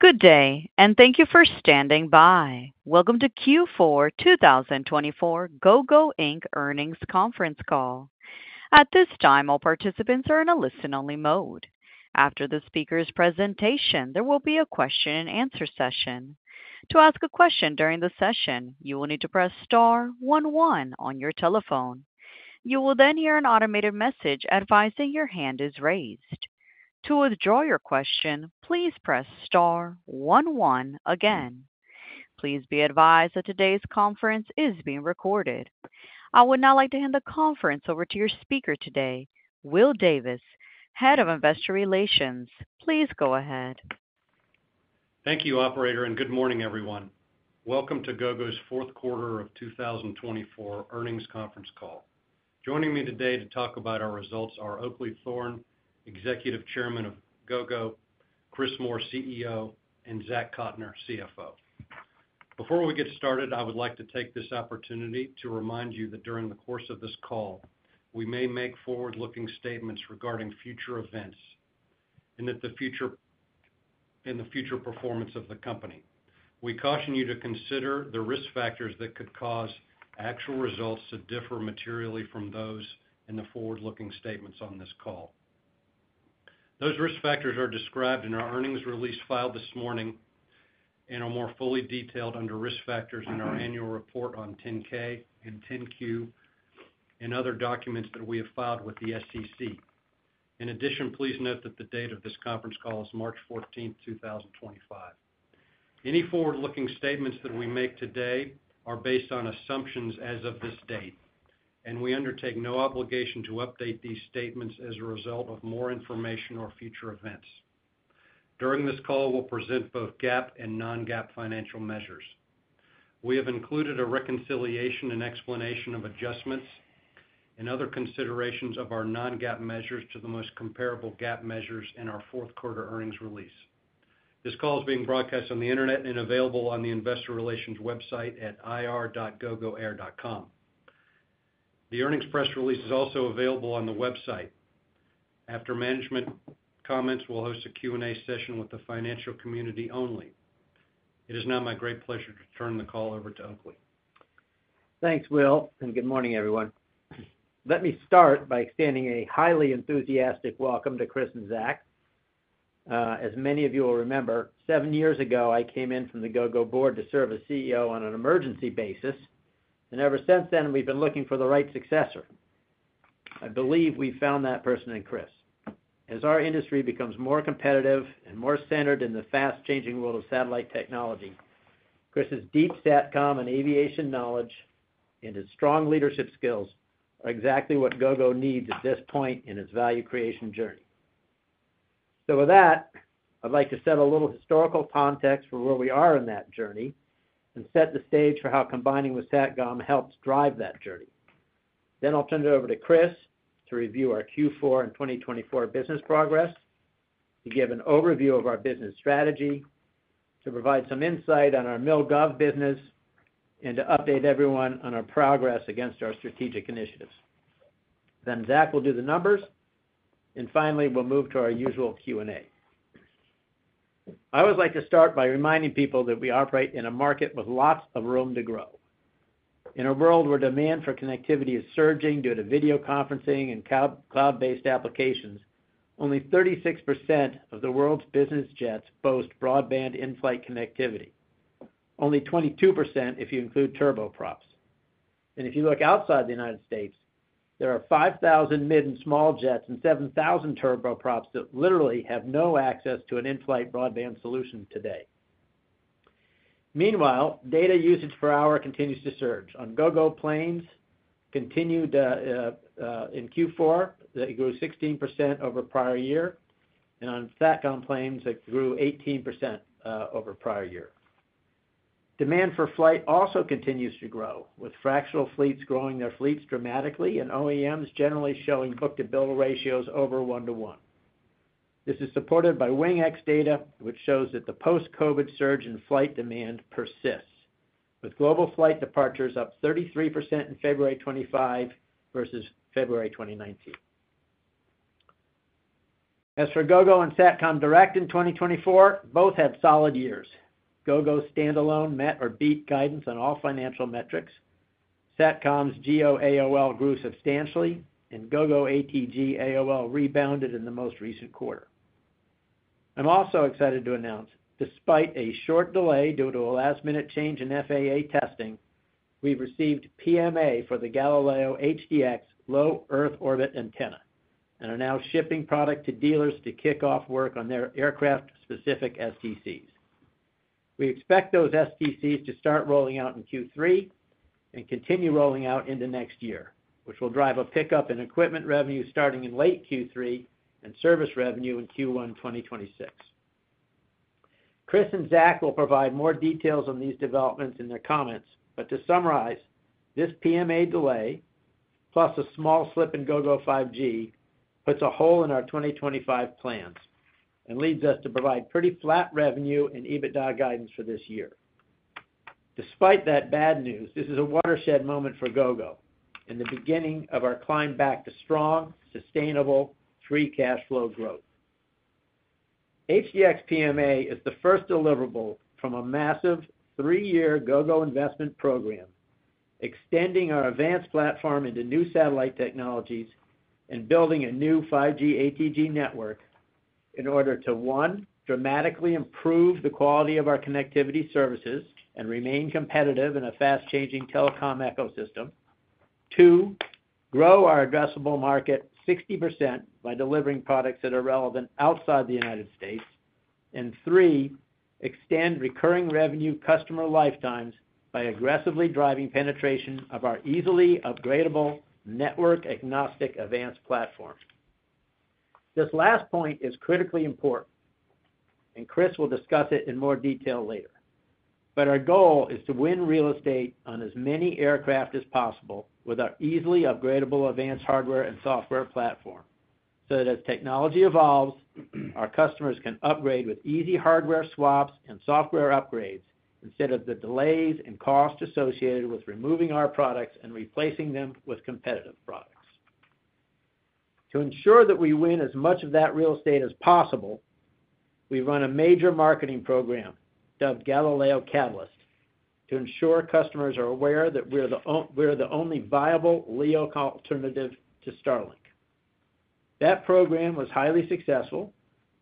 Good day, and thank you for standing by. Welcome to Q4 2024 Gogo earnings conference call. At this time, all participants are in a listen-only mode. After the speaker's presentation, there will be a question-and-answer session. To ask a question during the session, you will need to press star 11 on your telephone. You will then hear an automated message advising your hand is raised. To withdraw your question, please press star 11 again. Please be advised that today's conference is being recorded. I would now like to hand the conference over to your speaker today, Will Davis, Head of Investor Relations. Please go ahead. Thank you, Operator, and good morning, everyone. Welcome to Gogo's Fourth Quarter of 2024 Earnings Conference Call. Joining me today to talk about our results are Oakleigh Thorne, Executive Chairman of Gogo; Chris Moore, CEO; and Zach Cotner, CFO. Before we get started, I would like to take this opportunity to remind you that during the course of this call, we may make forward-looking statements regarding future events and the future performance of the company. We caution you to consider the risk factors that could cause actual results to differ materially from those in the forward-looking statements on this call. Those risk factors are described in our earnings release filed this morning and are more fully detailed under risk factors in our annual report on 10-K and 10-Q and other documents that we have filed with the SEC. In addition, please note that the date of this conference call is March 14, 2025. Any forward-looking statements that we make today are based on assumptions as of this date, and we undertake no obligation to update these statements as a result of more information or future events. During this call, we'll present both GAAP and non-GAAP financial measures. We have included a reconciliation and explanation of adjustments and other considerations of our non-GAAP measures to the most comparable GAAP measures in our fourth quarter earnings release. This call is being broadcast on the internet and available on the Investor Relations website at ir dot gogoair dot com. The earnings press release is also available on the website. After management comments, we'll host a Q&A session with the financial community only. It is now my great pleasure to turn the call over to Oakleigh. Thanks, Will, and good morning, everyone. Let me start by extending a highly enthusiastic welcome to Chris and Zach. As many of you will remember, seven years ago, I came in from the Gogo board to serve as CEO on an emergency basis, and ever since then, we've been looking for the right successor. I believe we found that person in Chris. As our industry becomes more competitive and more centered in the fast-changing world of satellite technology, Chris's deep SatCom and aviation knowledge and his strong leadership skills are exactly what Gogo needs at this point in its value creation journey. With that, I'd like to set a little historical context for where we are in that journey and set the stage for how combining with Satcom helps drive that journey. I will turn it over to Chris to review our Q4 and 2024 business progress, to give an overview of our business strategy, to provide some insight on our mill gov business, and to update everyone on our progress against our strategic initiatives. Zach will do the numbers, and finally, we will move to our usual Q&A. I always like to start by reminding people that we operate in a market with lots of room to grow. In a world where demand for connectivity is surging due to video conferencing and cloud-based applications, only 36% of the world's business jets boast broadband in-flight connectivity, only 22% if you include turboprops. If you look outside the U.S., there are 5,000 mid and small jets and 7,000 turboprops that literally have no access to an in-flight broadband solution today. Meanwhile, data usage per hour continues to surge. On Gogo planes continued in Q4, that grew 16% over prior year, and on SatCom planes, that grew 18% over prior year. Demand for flight also continues to grow, with fractional fleets growing their fleets dramatically and OEMs generally showing book-to-bill ratios over one-to-one. This is supported by WingX data, which shows that the post-COVID surge in flight demand persists, with global flight departures up 33% in February 2025 versus February 2019. As for Gogo and Satcom Direct in 2024, both had solid years. Gogo's standalone met or beat guidance on all financial metrics. Satcom's GO AOL grew substantially, and Gogo ATG AOL rebounded in the most recent quarter. I'm also excited to announce, despite a short delay due to a last-minute change in FAA testing, we've received PMA for the Galileo HDX low Earth orbit antenna and are now shipping product to dealers to kick off work on their aircraft-specific STCs. We expect those STCs to start rolling out in Q3 and continue rolling out into next year, which will drive a pickup in equipment revenue starting in late Q3 and service revenue in Q1 2026. Chris and Zach will provide more details on these developments in their comments, but to summarize, this PMA delay, plus a small slip in Gogo 5G, puts a hole in our 2025 plans and leads us to provide pretty flat revenue and EBITDA guidance for this year. Despite that bad news, this is a watershed moment for Gogo and the beginning of our climb back to strong, sustainable, free cash flow growth. HDX PMA is the first deliverable from a massive three-year Gogo investment program, extending our advanced platform into new satellite technologies and building a new 5G ATG network in order to, one, dramatically improve the quality of our connectivity services and remain competitive in a fast-changing telecom ecosystem, two, grow our addressable market 60% by delivering products that are relevant outside the United States, and three, extend recurring revenue customer lifetimes by aggressively driving penetration of our easily upgradable network-agnostic advanced platform. This last point is critically important, and Chris will discuss it in more detail later, but our goal is to win real estate on as many aircraft as possible with our easily upgradable advanced hardware and software platform so that as technology evolves, our customers can upgrade with easy hardware swaps and software upgrades instead of the delays and cost associated with removing our products and replacing them with competitive products. To ensure that we win as much of that real estate as possible, we run a major marketing program dubbed Galileo Catalyst to ensure customers are aware that we're the only viable LEO alternative to Starlink. That program was highly successful,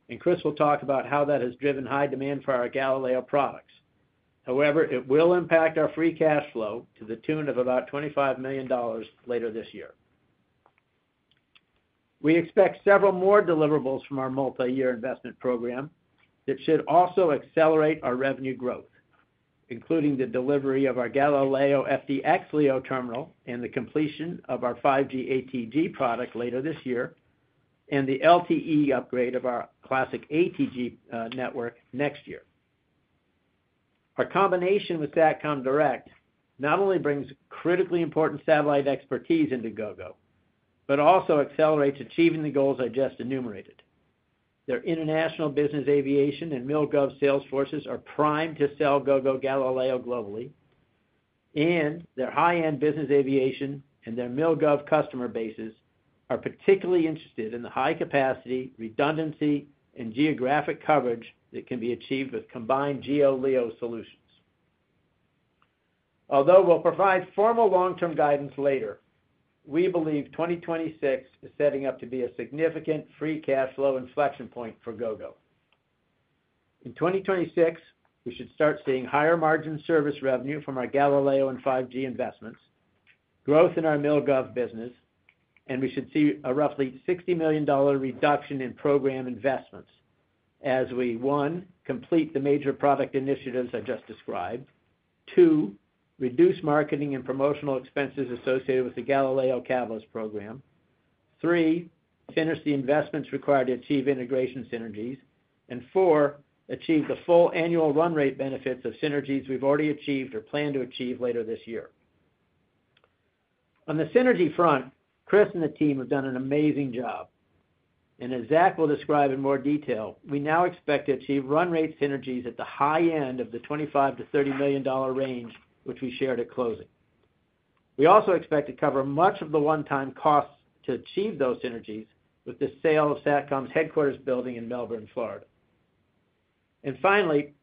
and Chris will talk about how that has driven high demand for our Galileo products. However, it will impact our free cash flow to the tune of about $25 million later this year. We expect several more deliverables from our multi-year investment program that should also accelerate our revenue growth, including the delivery of our Galileo FDX LEO terminal and the completion of our 5G ATG product later this year and the LTE upgrade of our classic ATG network next year. Our combination with Satcom Direct not only brings critically important satellite expertise into Gogo, but also accelerates achieving the goals I just enumerated. Their international business aviation and mill gov sales forces are primed to sell Gogo Galileo globally, and their high-end business aviation and their mill gov customer bases are particularly interested in the high capacity, redundancy, and geographic coverage that can be achieved with combined GEO LEO solutions. Although we'll provide formal long-term guidance later, we believe 2026 is setting up to be a significant free cash flow inflection point for Gogo. In 2026, we should start seeing higher margin service revenue from our Galileo and 5G investments, growth in our mill gov business, and we should see a roughly $60 million reduction in program investments as we, one, complete the major product initiatives I just described, two, reduce marketing and promotional expenses associated with the Galileo Catalyst program, three, finish the investments required to achieve integration synergies, and four, achieve the full annual run rate benefits of synergies we've already achieved or plan to achieve later this year. On the synergy front, Chris and the team have done an amazing job, and as Zach will describe in more detail, we now expect to achieve run rate synergies at the high end of the $25-$30 million range, which we shared at closing. We also expect to cover much of the one-time costs to achieve those synergies with the sale of Satcom Direct's headquarters building in Melbourne, Florida. Finally,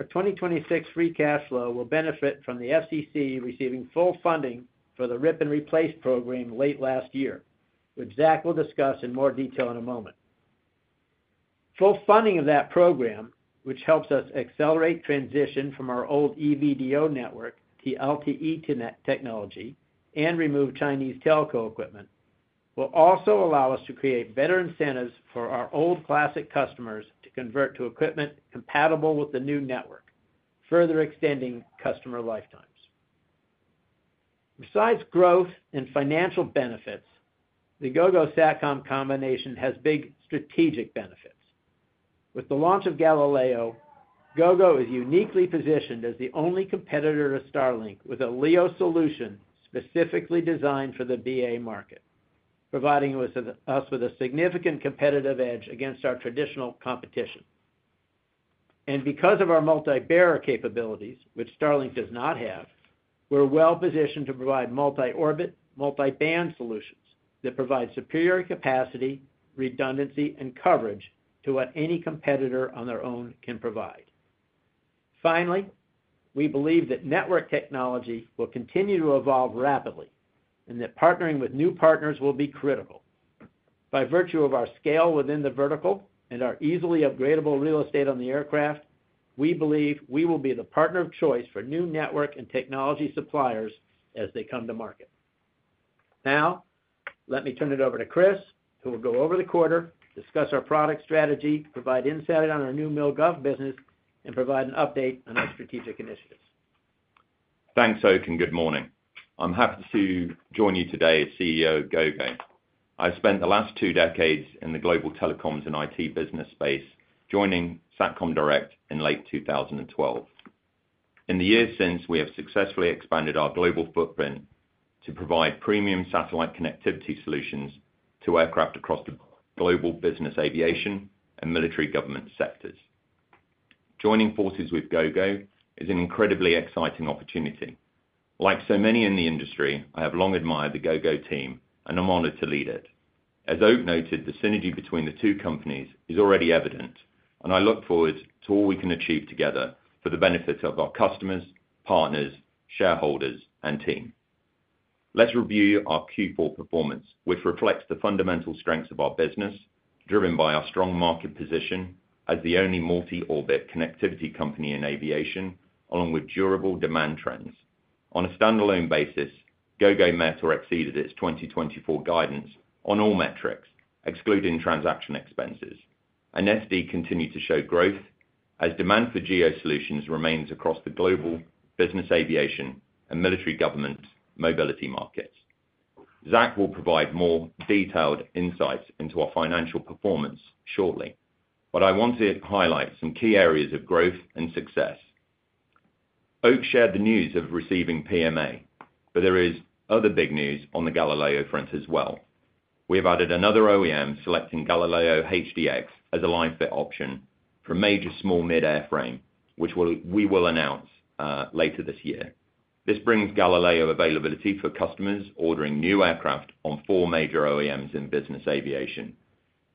our 2026 free cash flow will benefit from the FCC receiving full funding for the Rip and Replace Program late last year, which Zach will discuss in more detail in a moment. Full funding of that program, which helps us accelerate transition from our old EVDO network to LTE technology and remove Chinese telco equipment, will also allow us to create better incentives for our old classic customers to convert to equipment compatible with the new network, further extending customer lifetimes. Besides growth and financial benefits, the Gogo Satcom Direct combination has big strategic benefits. With the launch of Galileo, Gogo is uniquely positioned as the only competitor to Starlink with a LEO solution specifically designed for the BA market, providing us with a significant competitive edge against our traditional competition. Because of our multi-bearer capabilities, which Starlink does not have, we're well positioned to provide multi-orbit, multi-band solutions that provide superior capacity, redundancy, and coverage to what any competitor on their own can provide. Finally, we believe that network technology will continue to evolve rapidly and that partnering with new partners will be critical. By virtue of our scale within the vertical and our easily upgradable real estate on the aircraft, we believe we will be the partner of choice for new network and technology suppliers as they come to market. Now, let me turn it over to Chris, who will go over the quarter, discuss our product strategy, provide insight on our new mill gov business, and provide an update on our strategic initiatives. Thanks, Oak, and good morning. I'm happy to join you today as CEO Gogo. I've spent the last two decades in the global telecoms and IT business space, joining Satcom Direct in late 2012. In the years since, we have successfully expanded our global footprint to provide premium satellite connectivity solutions to aircraft across the global business aviation and military government sectors. Joining forces with Gogo is an incredibly exciting opportunity. Like so many in the industry, I have long admired the Gogo team, and I'm honored to lead it. As Oak noted, the synergy between the two companies is already evident, and I look forward to all we can achieve together for the benefit of our customers, partners, shareholders, and team. Let's review our Q4 performance, which reflects the fundamental strengths of our business, driven by our strong market position as the only multi-orbit connectivity company in aviation, along with durable demand trends. On a standalone basis, Gogo met or exceeded its 2024 guidance on all metrics, excluding transaction expenses. SD continued to show growth as demand for GEO solutions remains across the global business aviation and military government mobility markets. Zach will provide more detailed insights into our financial performance shortly, but I want to highlight some key areas of growth and success. Oak shared the news of receiving PMA, but there is other big news on the Galileo front as well. We have added another OEM selecting Galileo HDX as a line fit option for major small mid airframe, which we will announce later this year. This brings Galileo availability for customers ordering new aircraft on four major OEMs in business aviation.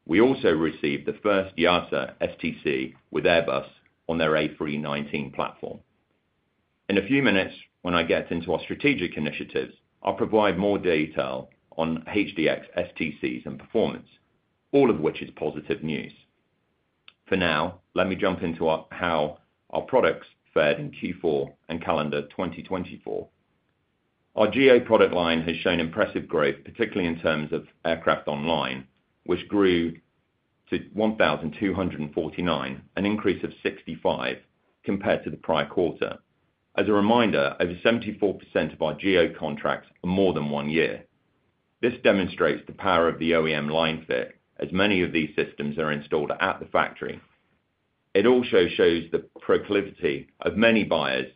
We also received the first Yasa STC with Airbus on their A319 platform. In a few minutes, when I get into our strategic initiatives, I'll provide more detail on HDX STCs and performance, all of which is positive news. For now, let me jump into how our products fared in Q4 and calendar 2024. Our GO product line has shown impressive growth, particularly in terms of aircraft online, which grew to 1,249, an increase of 65 compared to the prior quarter. As a reminder, over 74% of our GO contracts are more than one year. This demonstrates the power of the OEM line fit, as many of these systems are installed at the factory. It also shows the proclivity of many buyers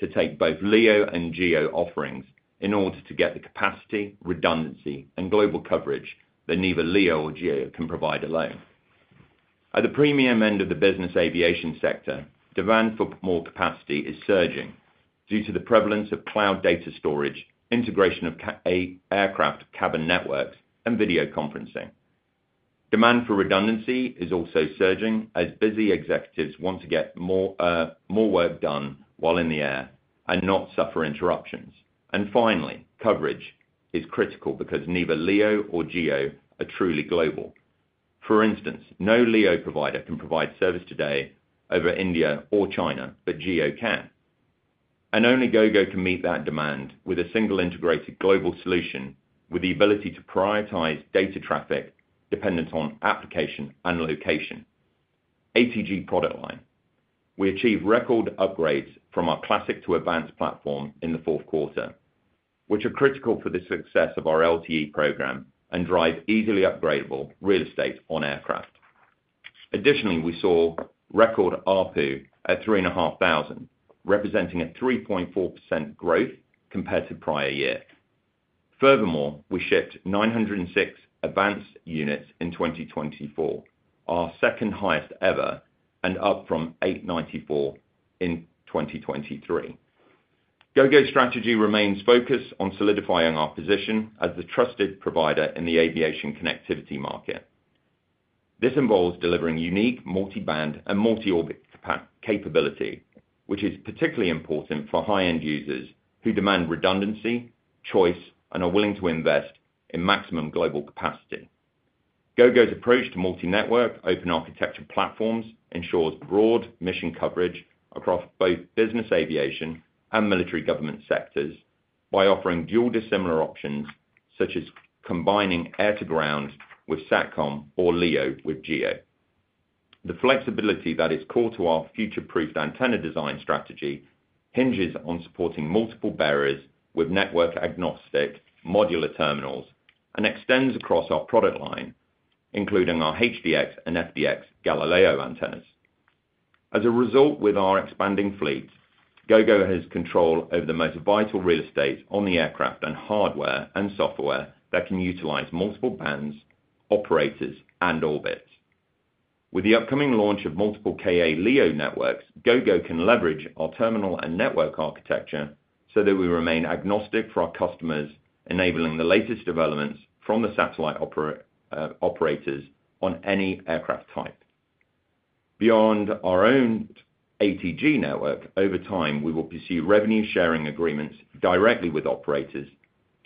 to take both LEO and GO offerings in order to get the capacity, redundancy, and global coverage that neither LEO or GO can provide alone. At the premium end of the business aviation sector, demand for more capacity is surging due to the prevalence of cloud data storage, integration of aircraft cabin networks, and video conferencing. Demand for redundancy is also surging as busy executives want to get more work done while in the air and not suffer interruptions. Finally, coverage is critical because neither LEO or GO are truly global. For instance, no LEO provider can provide service today over India or China, but GO can. Only Gogo can meet that demand with a single integrated global solution with the ability to prioritize data traffic dependent on application and location. ATG product line, we achieved record upgrades from our classic to advanced platform in the fourth quarter, which are critical for the success of our LTE program and drive easily upgradable real estate on aircraft. Additionally, we saw record ARPU at $3,500, representing a 3.4% growth compared to prior year. Furthermore, we shipped 906 advanced units in 2024, our second highest ever, and up from 894 in 2023. Gogo's strategy remains focused on solidifying our position as the trusted provider in the aviation connectivity market. This involves delivering unique multi-band and multi-orbit capability, which is particularly important for high-end users who demand redundancy, choice, and are willing to invest in maximum global capacity. Gogo's approach to multi-network open architecture platforms ensures broad mission coverage across both business aviation and military government sectors by offering dual dissimilar options such as combining air-to-ground with SatCom or LEO with GO. The flexibility that is core to our future-proofed antenna design strategy hinges on supporting multiple bearers with network-agnostic modular terminals and extends across our product line, including our HDX and FDX Galileo antennas. As a result, with our expanding fleet, Gogo has control over the most vital real estate on the aircraft and hardware and software that can utilize multiple bands, operators, and orbits. With the upcoming launch of multiple KA LEO networks, Gogo can leverage our terminal and network architecture so that we remain agnostic for our customers, enabling the latest developments from the satellite operators on any aircraft type. Beyond our own ATG network, over time, we will pursue revenue-sharing agreements directly with operators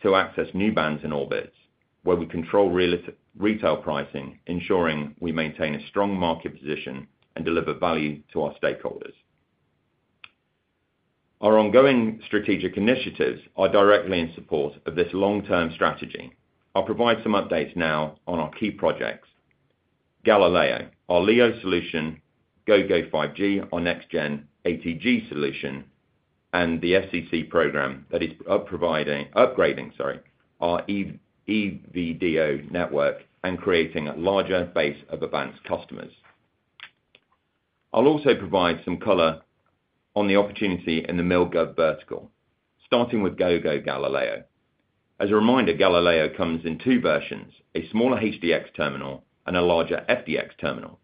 to access new bands and orbits, where we control retail pricing, ensuring we maintain a strong market position and deliver value to our stakeholders. Our ongoing strategic initiatives are directly in support of this long-term strategy. I'll provide some updates now on our key projects: Galileo, our LEO solution; Gogo 5G, our next-gen ATG solution; and the FCC program that is upgrading our EVDO network and creating a larger base of advanced customers. I'll also provide some color on the opportunity in the mill gov vertical, starting with Gogo Galileo. As a reminder, Galileo comes in two versions: a smaller HDX terminal and a larger FDX terminal.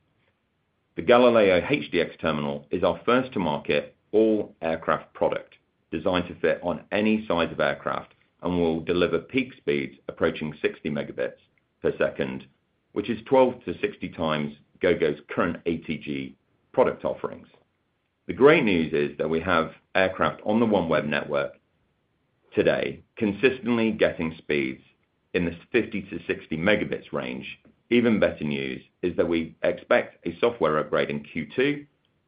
The Galileo HDX terminal is our first-to-market all-aircraft product designed to fit on any size of aircraft and will deliver peak speeds approaching 60 megabits per second, which is 12-60 times Gogo's current ATG product offerings. The great news is that we have aircraft on the OneWeb network today consistently getting speeds in the 50-60 megabits range. Even better news is that we expect a software upgrade in Q2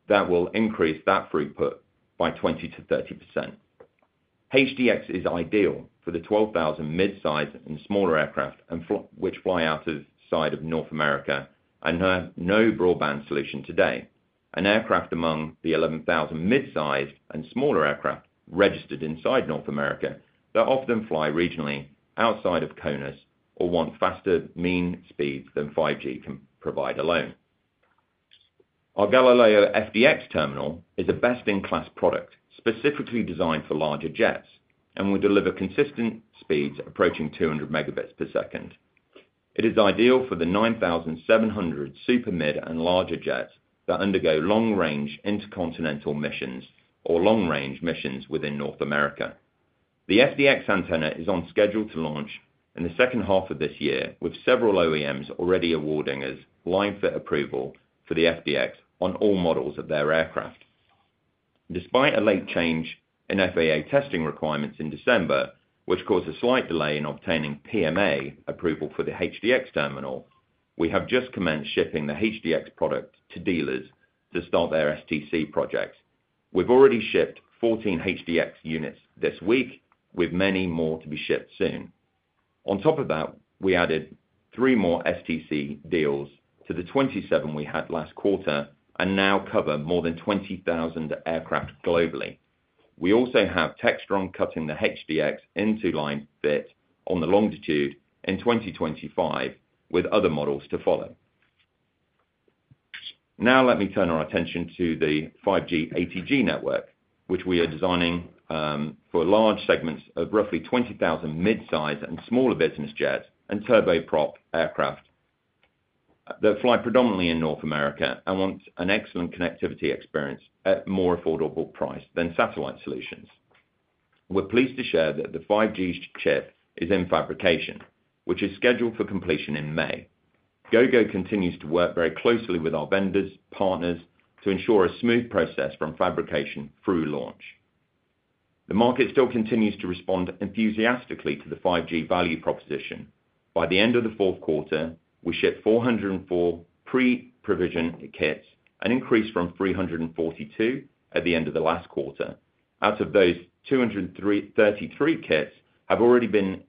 that will increase that throughput by 20-30%. HDX is ideal for the 12,000 mid-sized and smaller aircraft, which fly outside of North America and have no broadband solution today. An aircraft among the 11,000 mid-sized and smaller aircraft registered inside North America that often fly regionally outside of North America or want faster mean speeds than 5G can provide alone. Our Galileo FDX terminal is a best-in-class product specifically designed for larger jets and will deliver consistent speeds approaching 200 megabits per second. It is ideal for the 9,700 super mid and larger jets that undergo long-range intercontinental missions or long-range missions within North America. The FDX antenna is on schedule to launch in the second half of this year, with several OEMs already awarding us line fit approval for the FDX on all models of their aircraft. Despite a late change in FAA testing requirements in December, which caused a slight delay in obtaining PMA approval for the HDX terminal, we have just commenced shipping the HDX product to dealers to start their STC projects. We've already shipped 14 HDX units this week, with many more to be shipped soon. On top of that, we added three more STC deals to the 27 we had last quarter and now cover more than 20,000 aircraft globally. We also have Textron cutting the HDX into line fit on the Longitude in 2025, with other models to follow. Now, let me turn our attention to the 5G ATG network, which we are designing for large segments of roughly 20,000 mid-sized and smaller business jets and turboprop aircraft that fly predominantly in North America and want an excellent connectivity experience at a more affordable price than satellite solutions. We're pleased to share that the 5G chip is in fabrication, which is scheduled for completion in May. Gogo continues to work very closely with our vendors and partners to ensure a smooth process from fabrication through launch. The market still continues to respond enthusiastically to the 5G value proposition. By the end of the fourth quarter, we shipped 404 pre-provision kits and increased from 342 at the end of the last quarter. Out of those, 233 kits have already been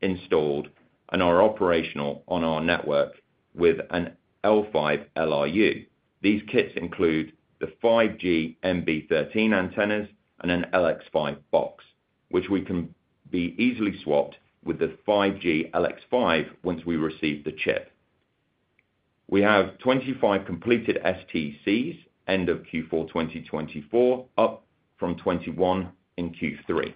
installed and are operational on our network with an L5 LRU. These kits include the 5G MB13 antennas and an LX5 box, which we can be easily swapped with the 5G LX5 once we receive the chip. We have 25 completed STCs end of Q4 2024, up from 21 in Q3.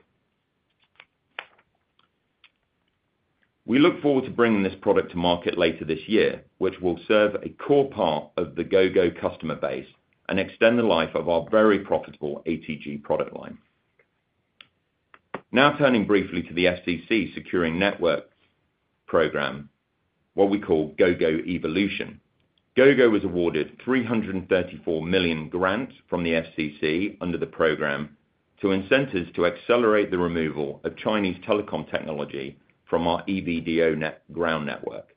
We look forward to bringing this product to market later this year, which will serve a core part of the Gogo customer base and extend the life of our very profitable ATG product line. Now, turning briefly to the FCC Securing Network Program, what we call Gogo Evolution. Gogo was awarded $334 million grants from the FCC under the program to incentives to accelerate the removal of Chinese telecom technology from our EVDO ground network.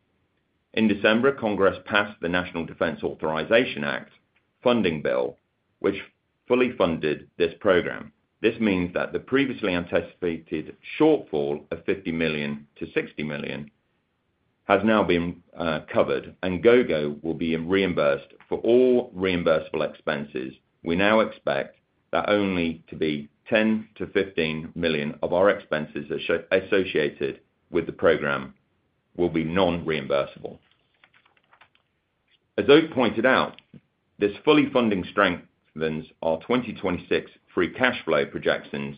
In December, Congress passed the National Defense Authorization Act funding bill, which fully funded this program. This means that the previously anticipated shortfall of $50 million-$60 million has now been covered, and Gogo will be reimbursed for all reimbursable expenses. We now expect that only $10 million-$15 million of our expenses associated with the program will be non-reimbursable. As Oak pointed out, this fully funding strengthens our 2026 free cash flow projections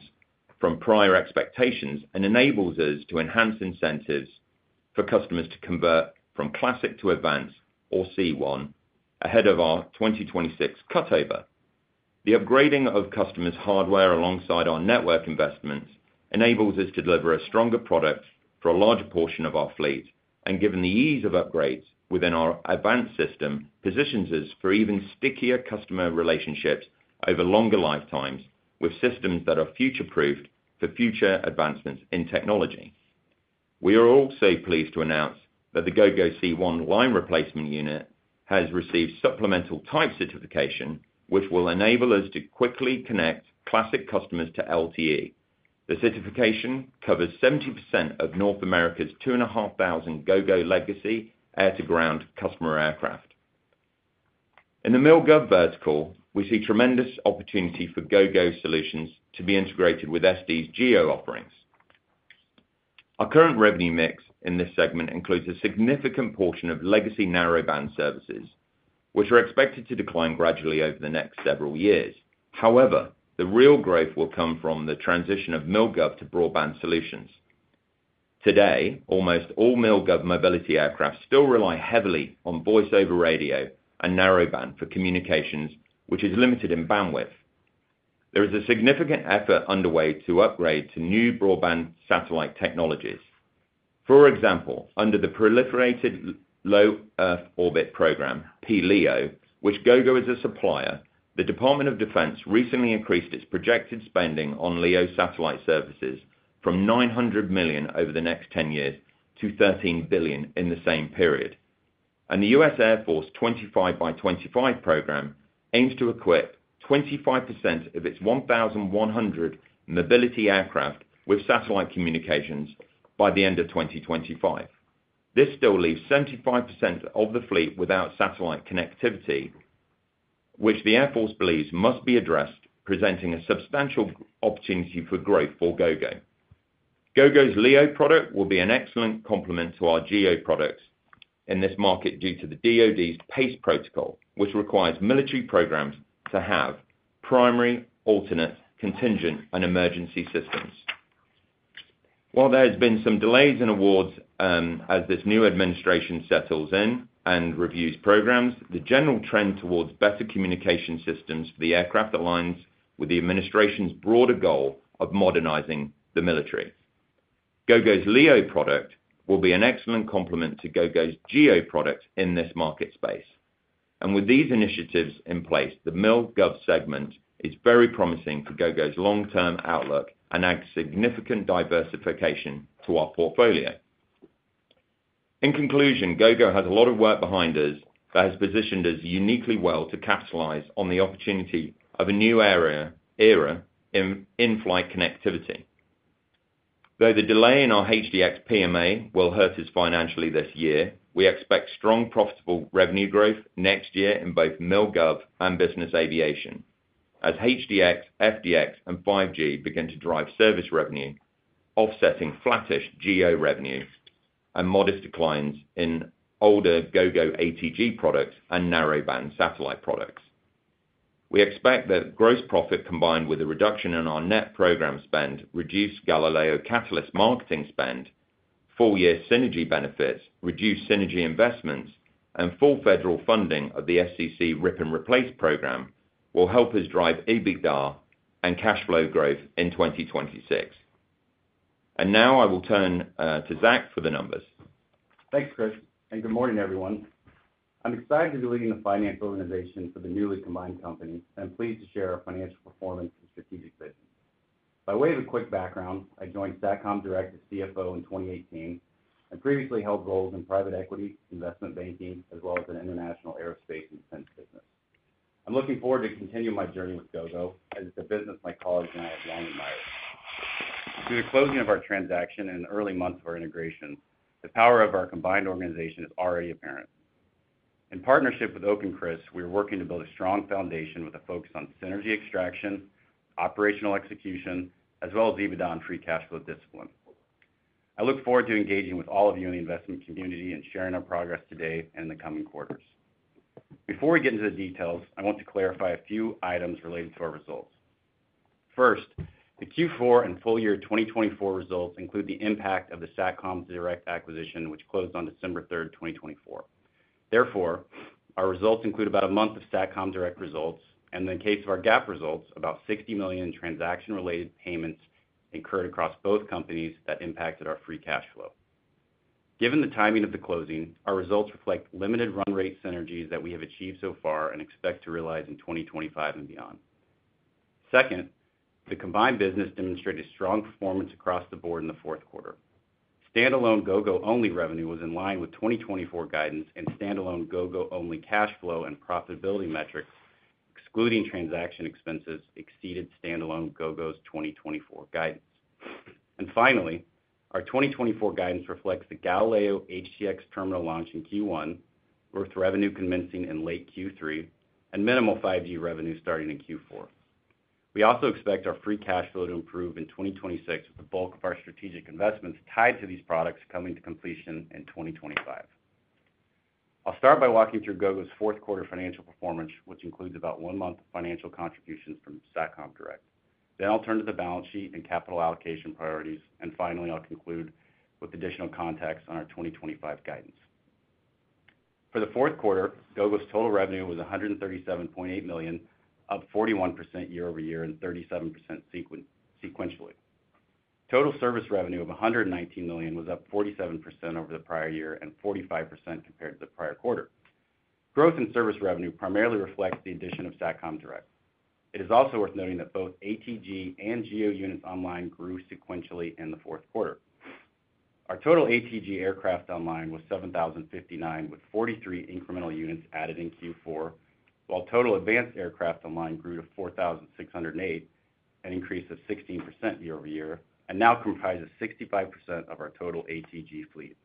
from prior expectations and enables us to enhance incentives for customers to convert from classic to advanced or C1 ahead of our 2026 cutover. The upgrading of customers' hardware alongside our network investments enables us to deliver a stronger product for a larger portion of our fleet, and given the ease of upgrades within our advanced system, positions us for even stickier customer relationships over longer lifetimes with systems that are future-proofed for future advancements in technology. We are also pleased to announce that the Gogo C1 line replacement unit has received supplemental type certification, which will enable us to quickly connect classic customers to LTE. The certification covers 70% of North America's 2,500 Gogo legacy air-to-ground customer aircraft. In the mill gov vertical, we see tremendous opportunity for Gogo solutions to be integrated with SD's GO offerings. Our current revenue mix in this segment includes a significant portion of legacy narrowband services, which are expected to decline gradually over the next several years. However, the real growth will come from the transition of mill gov to broadband solutions. Today, almost all mill gov mobility aircraft still rely heavily on voiceover radio and narrowband for communications, which is limited in bandwidth. There is a significant effort underway to upgrade to new broadband satellite technologies. For example, under the Proliferated Low Earth Orbit Program, PLEO, which Gogo is a supplier, the Department of Defense recently increased its projected spending on LEO satellite services from $900 million over the next 10 years to $13 billion in the same period. The U.S. Air Force 25x25 program aims to equip 25% of its 1,100 mobility aircraft with satellite communications by the end of 2025. This still leaves 75% of the fleet without satellite connectivity, which the Air Force believes must be addressed, presenting a substantial opportunity for growth for Gogo. Gogo's LEO product will be an excellent complement to our GO products in this market due to the DOD's PACE protocol, which requires military programs to have primary, alternate, contingent, and emergency systems. While there have been some delays in awards as this new administration settles in and reviews programs, the general trend towards better communication systems for the aircraft aligns with the administration's broader goal of modernizing the military. Gogo's LEO product will be an excellent complement to Gogo's GO product in this market space. With these initiatives in place, the mill gov segment is very promising for Gogo's long-term outlook and adds significant diversification to our portfolio. In conclusion, Gogo has a lot of work behind us that has positioned us uniquely well to capitalize on the opportunity of a new era in in-flight connectivity. Though the delay in our HDX PMA will hurt us financially this year, we expect strong, profitable revenue growth next year in both mill gov and business aviation as HDX, FDX, and 5G begin to drive service revenue, offsetting flattish GO revenue and modest declines in older Gogo ATG products and narrowband satellite products. We expect that gross profit combined with a reduction in our net program spend, reduced Galileo catalyst marketing spend, full-year synergy benefits, reduced synergy investments, and full federal funding of the FCC Rip and Replace Program will help us drive EBITDA and cash flow growth in 2026. I will now turn to Zach for the numbers. Thanks, Chris. Good morning, everyone. I'm excited to lead in the finance organization for the newly combined company and pleased to share our financial performance and strategic vision. By way of a quick background, I joined Satcom Direct as CFO in 2018 and previously held roles in private equity, investment banking, as well as an international aerospace and defense business. I'm looking forward to continuing my journey with Gogo as it's a business my colleagues and I have long admired. Through the closing of our transaction and early months of our integration, the power of our combined organization is already apparent. In partnership with Oak and Chris, we are working to build a strong foundation with a focus on synergy extraction, operational execution, as well as EBITDA and free cash flow discipline. I look forward to engaging with all of you in the investment community and sharing our progress today and in the coming quarters. Before we get into the details, I want to clarify a few items related to our results. First, the Q4 and full year 2024 results include the impact of the Satcom Direct acquisition, which closed on December 3, 2024. Therefore, our results include about a month of Satcom Direct results, and in the case of our GAAP results, about $60 million in transaction-related payments incurred across both companies that impacted our free cash flow. Given the timing of the closing, our results reflect limited run rate synergies that we have achieved so far and expect to realize in 2025 and beyond. Second, the combined business demonstrated strong performance across the board in the fourth quarter. Standalone Gogo-only revenue was in line with 2024 guidance, and standalone Gogo-only cash flow and profitability metrics, excluding transaction expenses, exceeded standalone Gogo's 2024 guidance. Finally, our 2024 guidance reflects the Galileo HDX terminal launch in Q1, with revenue commencing in late Q3 and minimal 5G revenue starting in Q4. We also expect our free cash flow to improve in 2026, with the bulk of our strategic investments tied to these products coming to completion in 2025. I'll start by walking through Gogo's fourth quarter financial performance, which includes about one month of financial contributions from Satcom Direct. I'll turn to the balance sheet and capital allocation priorities, and finally, I'll conclude with additional context on our 2025 guidance. For the fourth quarter, Gogo's total revenue was $137.8 million, up 41% year over year and 37% sequentially. Total service revenue of $119 million was up 47% over the prior year and 45% compared to the prior quarter. Growth in service revenue primarily reflects the addition of Satcom Direct. It is also worth noting that both ATG and GO units online grew sequentially in the fourth quarter. Our total ATG aircraft online was 7,059, with 43 incremental units added in Q4, while total advanced aircraft online grew to 4,608, an increase of 16% year over year, and now comprises 65% of our total ATG fleet.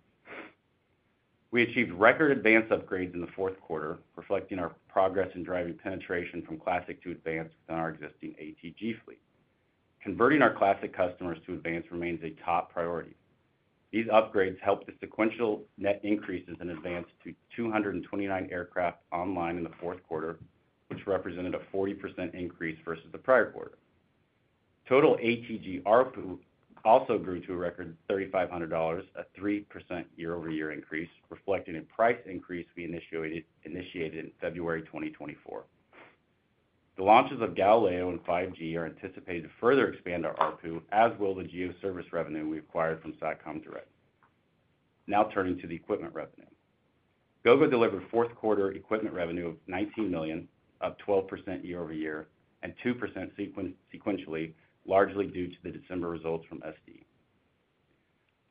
We achieved record advanced upgrades in the fourth quarter, reflecting our progress in driving penetration from classic to advanced within our existing ATG fleet. Converting our classic customers to advanced remains a top priority. These upgrades helped the sequential net increases in advanced to 229 aircraft online in the fourth quarter, which represented a 40% increase versus the prior quarter. Total ATG ARPU also grew to a record $3,500, a 3% year-over-year increase, reflected in price increase we initiated in February 2024. The launches of Galileo and 5G are anticipated to further expand our ARPU, as will the GO service revenue we acquired from Satcom Direct. Now turning to the equipment revenue, Gogo delivered fourth quarter equipment revenue of $19 million, up 12% year over year and 2% sequentially, largely due to the December results from SD.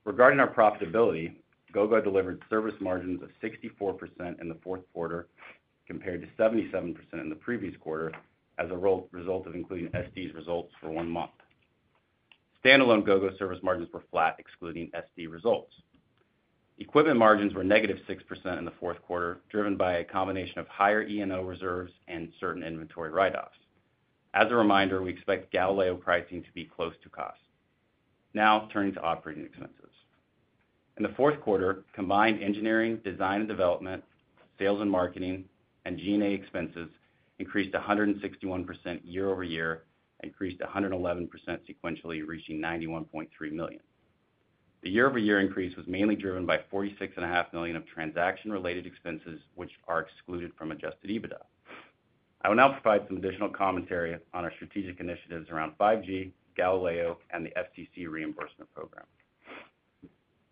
Regarding our profitability, Gogo delivered service margins of 64% in the fourth quarter compared to 77% in the previous quarter as a result of including SD's results for one month. Standalone Gogo service margins were flat, excluding SD results. Equipment margins were negative 6% in the fourth quarter, driven by a combination of higher E&O reserves and certain inventory write-offs. As a reminder, we expect Galileo pricing to be close to cost. Now turning to operating expenses. In the fourth quarter, combined engineering, design and development, sales and marketing, and G&A expenses increased 161% year over year and increased 111% sequentially, reaching $91.3 million. The year-over-year increase was mainly driven by $46.5 million of transaction-related expenses, which are excluded from adjusted EBITDA. I will now provide some additional commentary on our strategic initiatives around 5G, Galileo, and the FCC reimbursement program.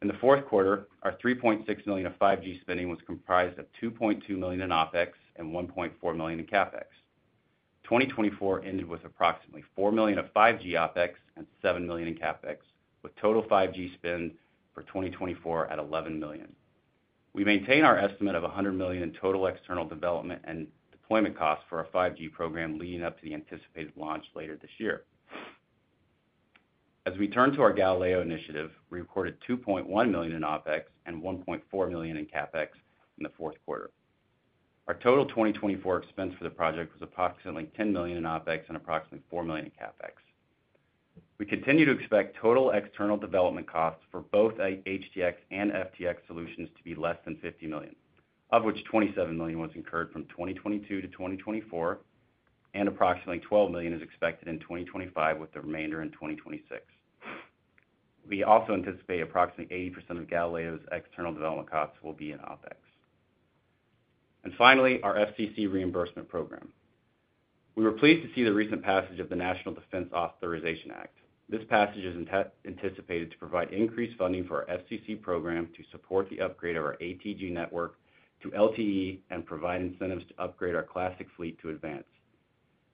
In the fourth quarter, our $3.6 million of 5G spending was comprised of $2.2 million in OpEx and $1.4 million in CapEx. 2024 ended with approximately $4 million of 5G OpEx and $7 million in CapEx, with total 5G spend for 2024 at $11 million. We maintain our estimate of $100 million in total external development and deployment costs for our 5G program leading up to the anticipated launch later this year. As we turn to our Galileo initiative, we recorded $2.1 million in OpEx and $1.4 million in CapEx in the fourth quarter. Our total 2024 expense for the project was approximately $10 million in OpEx and approximately $4 million in CapEx. We continue to expect total external development costs for both HDX and FDX solutions to be less than $50 million, of which $27 million was incurred from 2022 to 2024, and approximately $12 million is expected in 2025, with the remainder in 2026. We also anticipate approximately 80% of Galileo's external development costs will be in OPEX. Finally, our FCC reimbursement program. We were pleased to see the recent passage of the National Defense Authorization Act. This passage is anticipated to provide increased funding for our FCC program to support the upgrade of our ATG network to LTE and provide incentives to upgrade our classic fleet to advanced.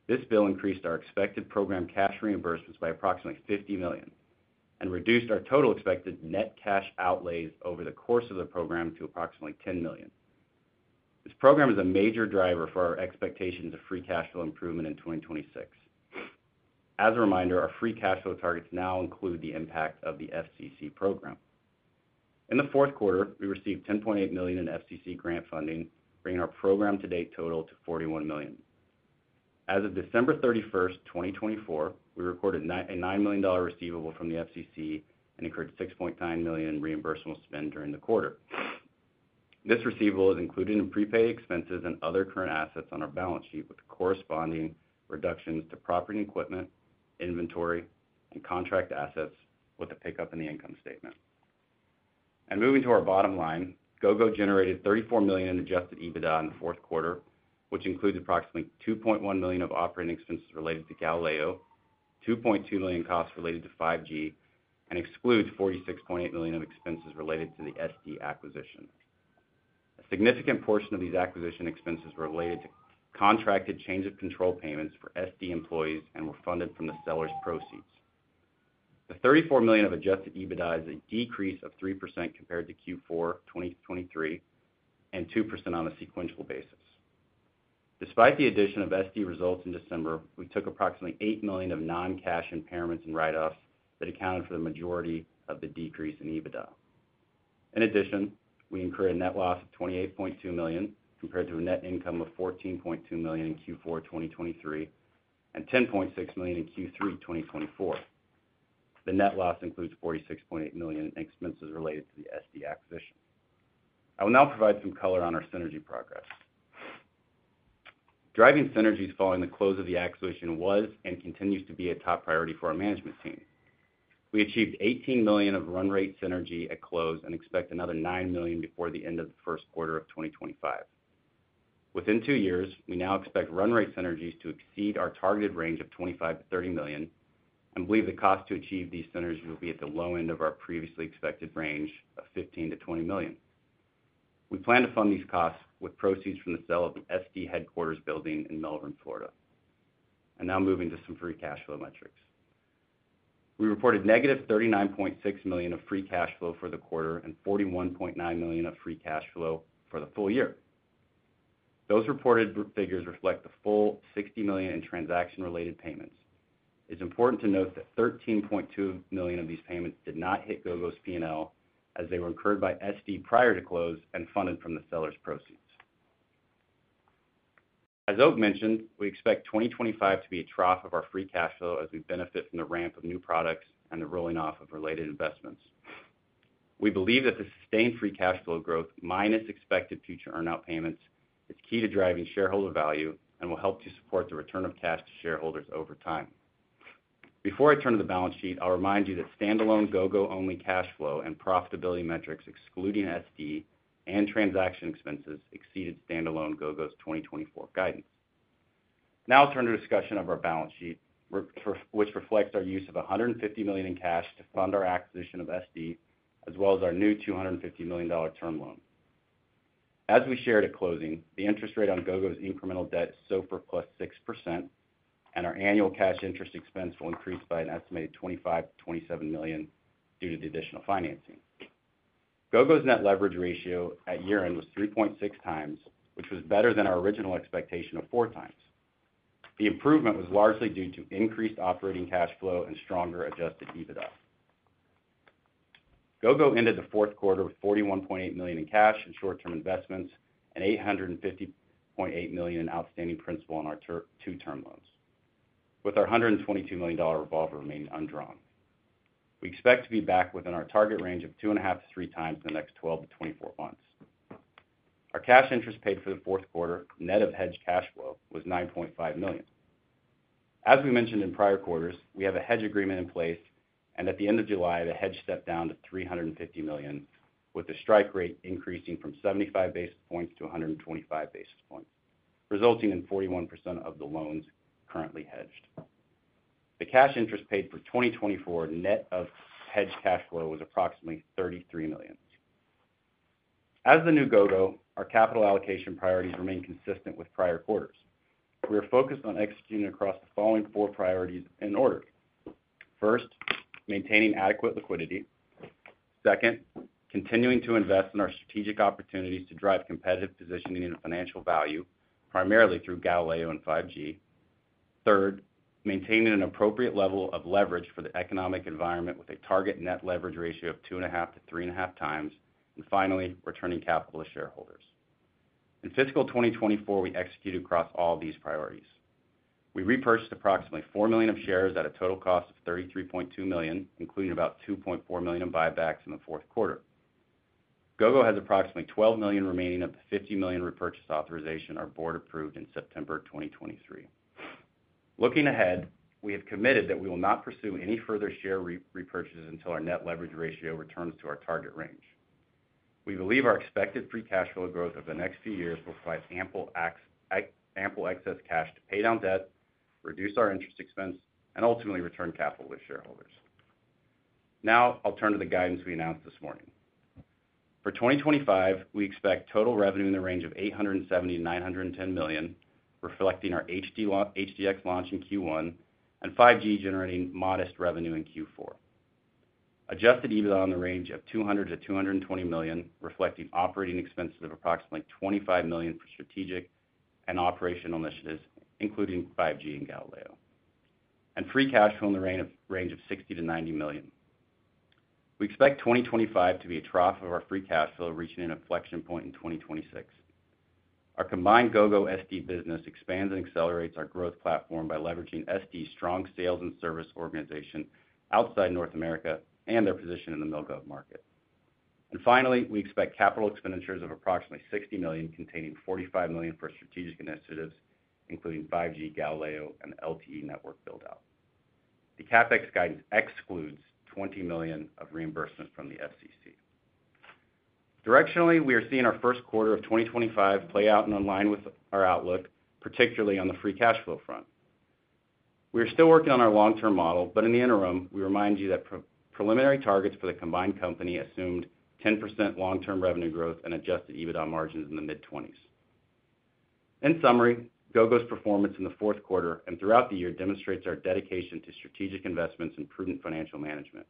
This bill increased our expected program cash reimbursements by approximately $50 million and reduced our total expected net cash outlays over the course of the program to approximately $10 million. This program is a major driver for our expectations of free cash flow improvement in 2026. As a reminder, our free cash flow targets now include the impact of the FCC Rip and Replace Program. In the fourth quarter, we received $10.8 million in FCC grant funding, bringing our program-to-date total to $41 million. As of December 31, 2024, we recorded a $9 million receivable from the FCC and incurred $6.9 million in reimbursable spend during the quarter. This receivable is included in prepaid expenses and other current assets on our balance sheet, with corresponding reductions to property and equipment, inventory, and contract assets, with a pickup in the income statement. Moving to our bottom line, Gogo generated $34 million in adjusted EBITDA in the fourth quarter, which includes approximately $2.1 million of operating expenses related to Galileo, $2.2 million costs related to 5G, and excludes $46.8 million of expenses related to the SD acquisition. A significant portion of these acquisition expenses were related to contracted change of control payments for SD employees and were funded from the seller's proceeds. The $34 million of adjusted EBITDA is a decrease of 3% compared to Q4, 2023, and 2% on a sequential basis. Despite the addition of SD results in December, we took approximately $8 million of non-cash impairments and write-offs that accounted for the majority of the decrease in EBITDA. In addition, we incurred a net loss of $28.2 million compared to a net income of $14.2 million in Q4, 2023, and $10.6 million in Q3, 2024. The net loss includes $46.8 million in expenses related to the SD acquisition. I will now provide some color on our synergy progress. Driving synergies following the close of the acquisition was and continues to be a top priority for our management team. We achieved $18 million of run rate synergy at close and expect another $9 million before the end of the first quarter of 2025. Within two years, we now expect run rate synergies to exceed our targeted range of $25 million-$30 million and believe the cost to achieve these synergies will be at the low end of our previously expected range of $15 million-$20 million. We plan to fund these costs with proceeds from the sale of the SD headquarters building in Melbourne, Florida. Now moving to some free cash flow metrics. We reported negative $39.6 million of free cash flow for the quarter and $41.9 million of free cash flow for the full year. Those reported figures reflect the full $60 million in transaction-related payments. It's important to note that $13.2 million of these payments did not hit Gogo's P&L, as they were incurred by SD prior to close and funded from the seller's proceeds. As Oak mentioned, we expect 2025 to be a trough of our free cash flow as we benefit from the ramp of new products and the rolling off of related investments. We believe that the sustained free cash flow growth minus expected future earnout payments is key to driving shareholder value and will help to support the return of cash to shareholders over time. Before I turn to the balance sheet, I'll remind you that standalone Gogo-only cash flow and profitability metrics, excluding SD and transaction expenses, exceeded standalone Gogo's 2024 guidance. Now I'll turn to discussion of our balance sheet, which reflects our use of $150 million in cash to fund our acquisition of SD, as well as our new $250 million term loan. As we shared at closing, the interest rate on Gogo's incremental debt is SOFR plus 6%, and our annual cash interest expense will increase by an estimated $25-$27 million due to the additional financing. Gogo's net leverage ratio at year-end was 3.6 times, which was better than our original expectation of 4 times. The improvement was largely due to increased operating cash flow and stronger adjusted EBITDA. Gogo ended the fourth quarter with $41.8 million in cash and short-term investments and $850.8 million in outstanding principal on our two term loans, with our $122 million revolver remaining undrawn. We expect to be back within our target range of 2.5-3 times in the next 12-24 months. Our cash interest paid for the fourth quarter net of hedge cash flow was $9.5 million. As we mentioned in prior quarters, we have a hedge agreement in place, and at the end of July, the hedge stepped down to $350 million, with the strike rate increasing from 75 basis points to 125 basis points, resulting in 41% of the loans currently hedged. The cash interest paid for 2024 net of hedge cash flow was approximately $33 million. As the new Gogo, our capital allocation priorities remain consistent with prior quarters. We are focused on executing across the following four priorities in order. First, maintaining adequate liquidity. Second, continuing to invest in our strategic opportunities to drive competitive positioning and financial value, primarily through Galileo and 5G. Third, maintaining an appropriate level of leverage for the economic environment with a target net leverage ratio of 2.5-3.5 times, and finally, returning capital to shareholders. In fiscal 2024, we executed across all of these priorities. We repurchased approximately 4 million shares at a total cost of $33.2 million, including about $2.4 million in buybacks in the fourth quarter. Gogo has approximately $12 million remaining of the $50 million repurchase authorization our board approved in September 2023. Looking ahead, we have committed that we will not pursue any further share repurchases until our net leverage ratio returns to our target range. We believe our expected free cash flow growth over the next few years will provide ample excess cash to pay down debt, reduce our interest expense, and ultimately return capital to shareholders. Now I'll turn to the guidance we announced this morning. For 2025, we expect total revenue in the range of $870 million-$910 million, reflecting our HDX launch in Q1 and 5G generating modest revenue in Q4. Adjusted EBITDA in the range of $200 million-$220 million, reflecting operating expenses of approximately $25 million for strategic and operational initiatives, including 5G and Galileo. Free cash flow in the range of $60 million-$90 million. We expect 2025 to be a trough of our free cash flow reaching an inflection point in 2026. Our combined Gogo-Satcom Direct business expands and accelerates our growth platform by leveraging Satcom Direct's strong sales and service organization outside North America and their position in the mid-cabin market. Finally, we expect capital expenditures of approximately $60 million, containing $45 million for strategic initiatives, including 5G, Galileo, and LTE network buildout. The CapEx guidance excludes $20 million of reimbursements from the FCC. Directionally, we are seeing our first quarter of 2025 play out in line with our outlook, particularly on the free cash flow front. We are still working on our long-term model, but in the interim, we remind you that preliminary targets for the combined company assumed 10% long-term revenue growth and adjusted EBITDA margins in the mid-20s. In summary, Gogo's performance in the fourth quarter and throughout the year demonstrates our dedication to strategic investments and prudent financial management.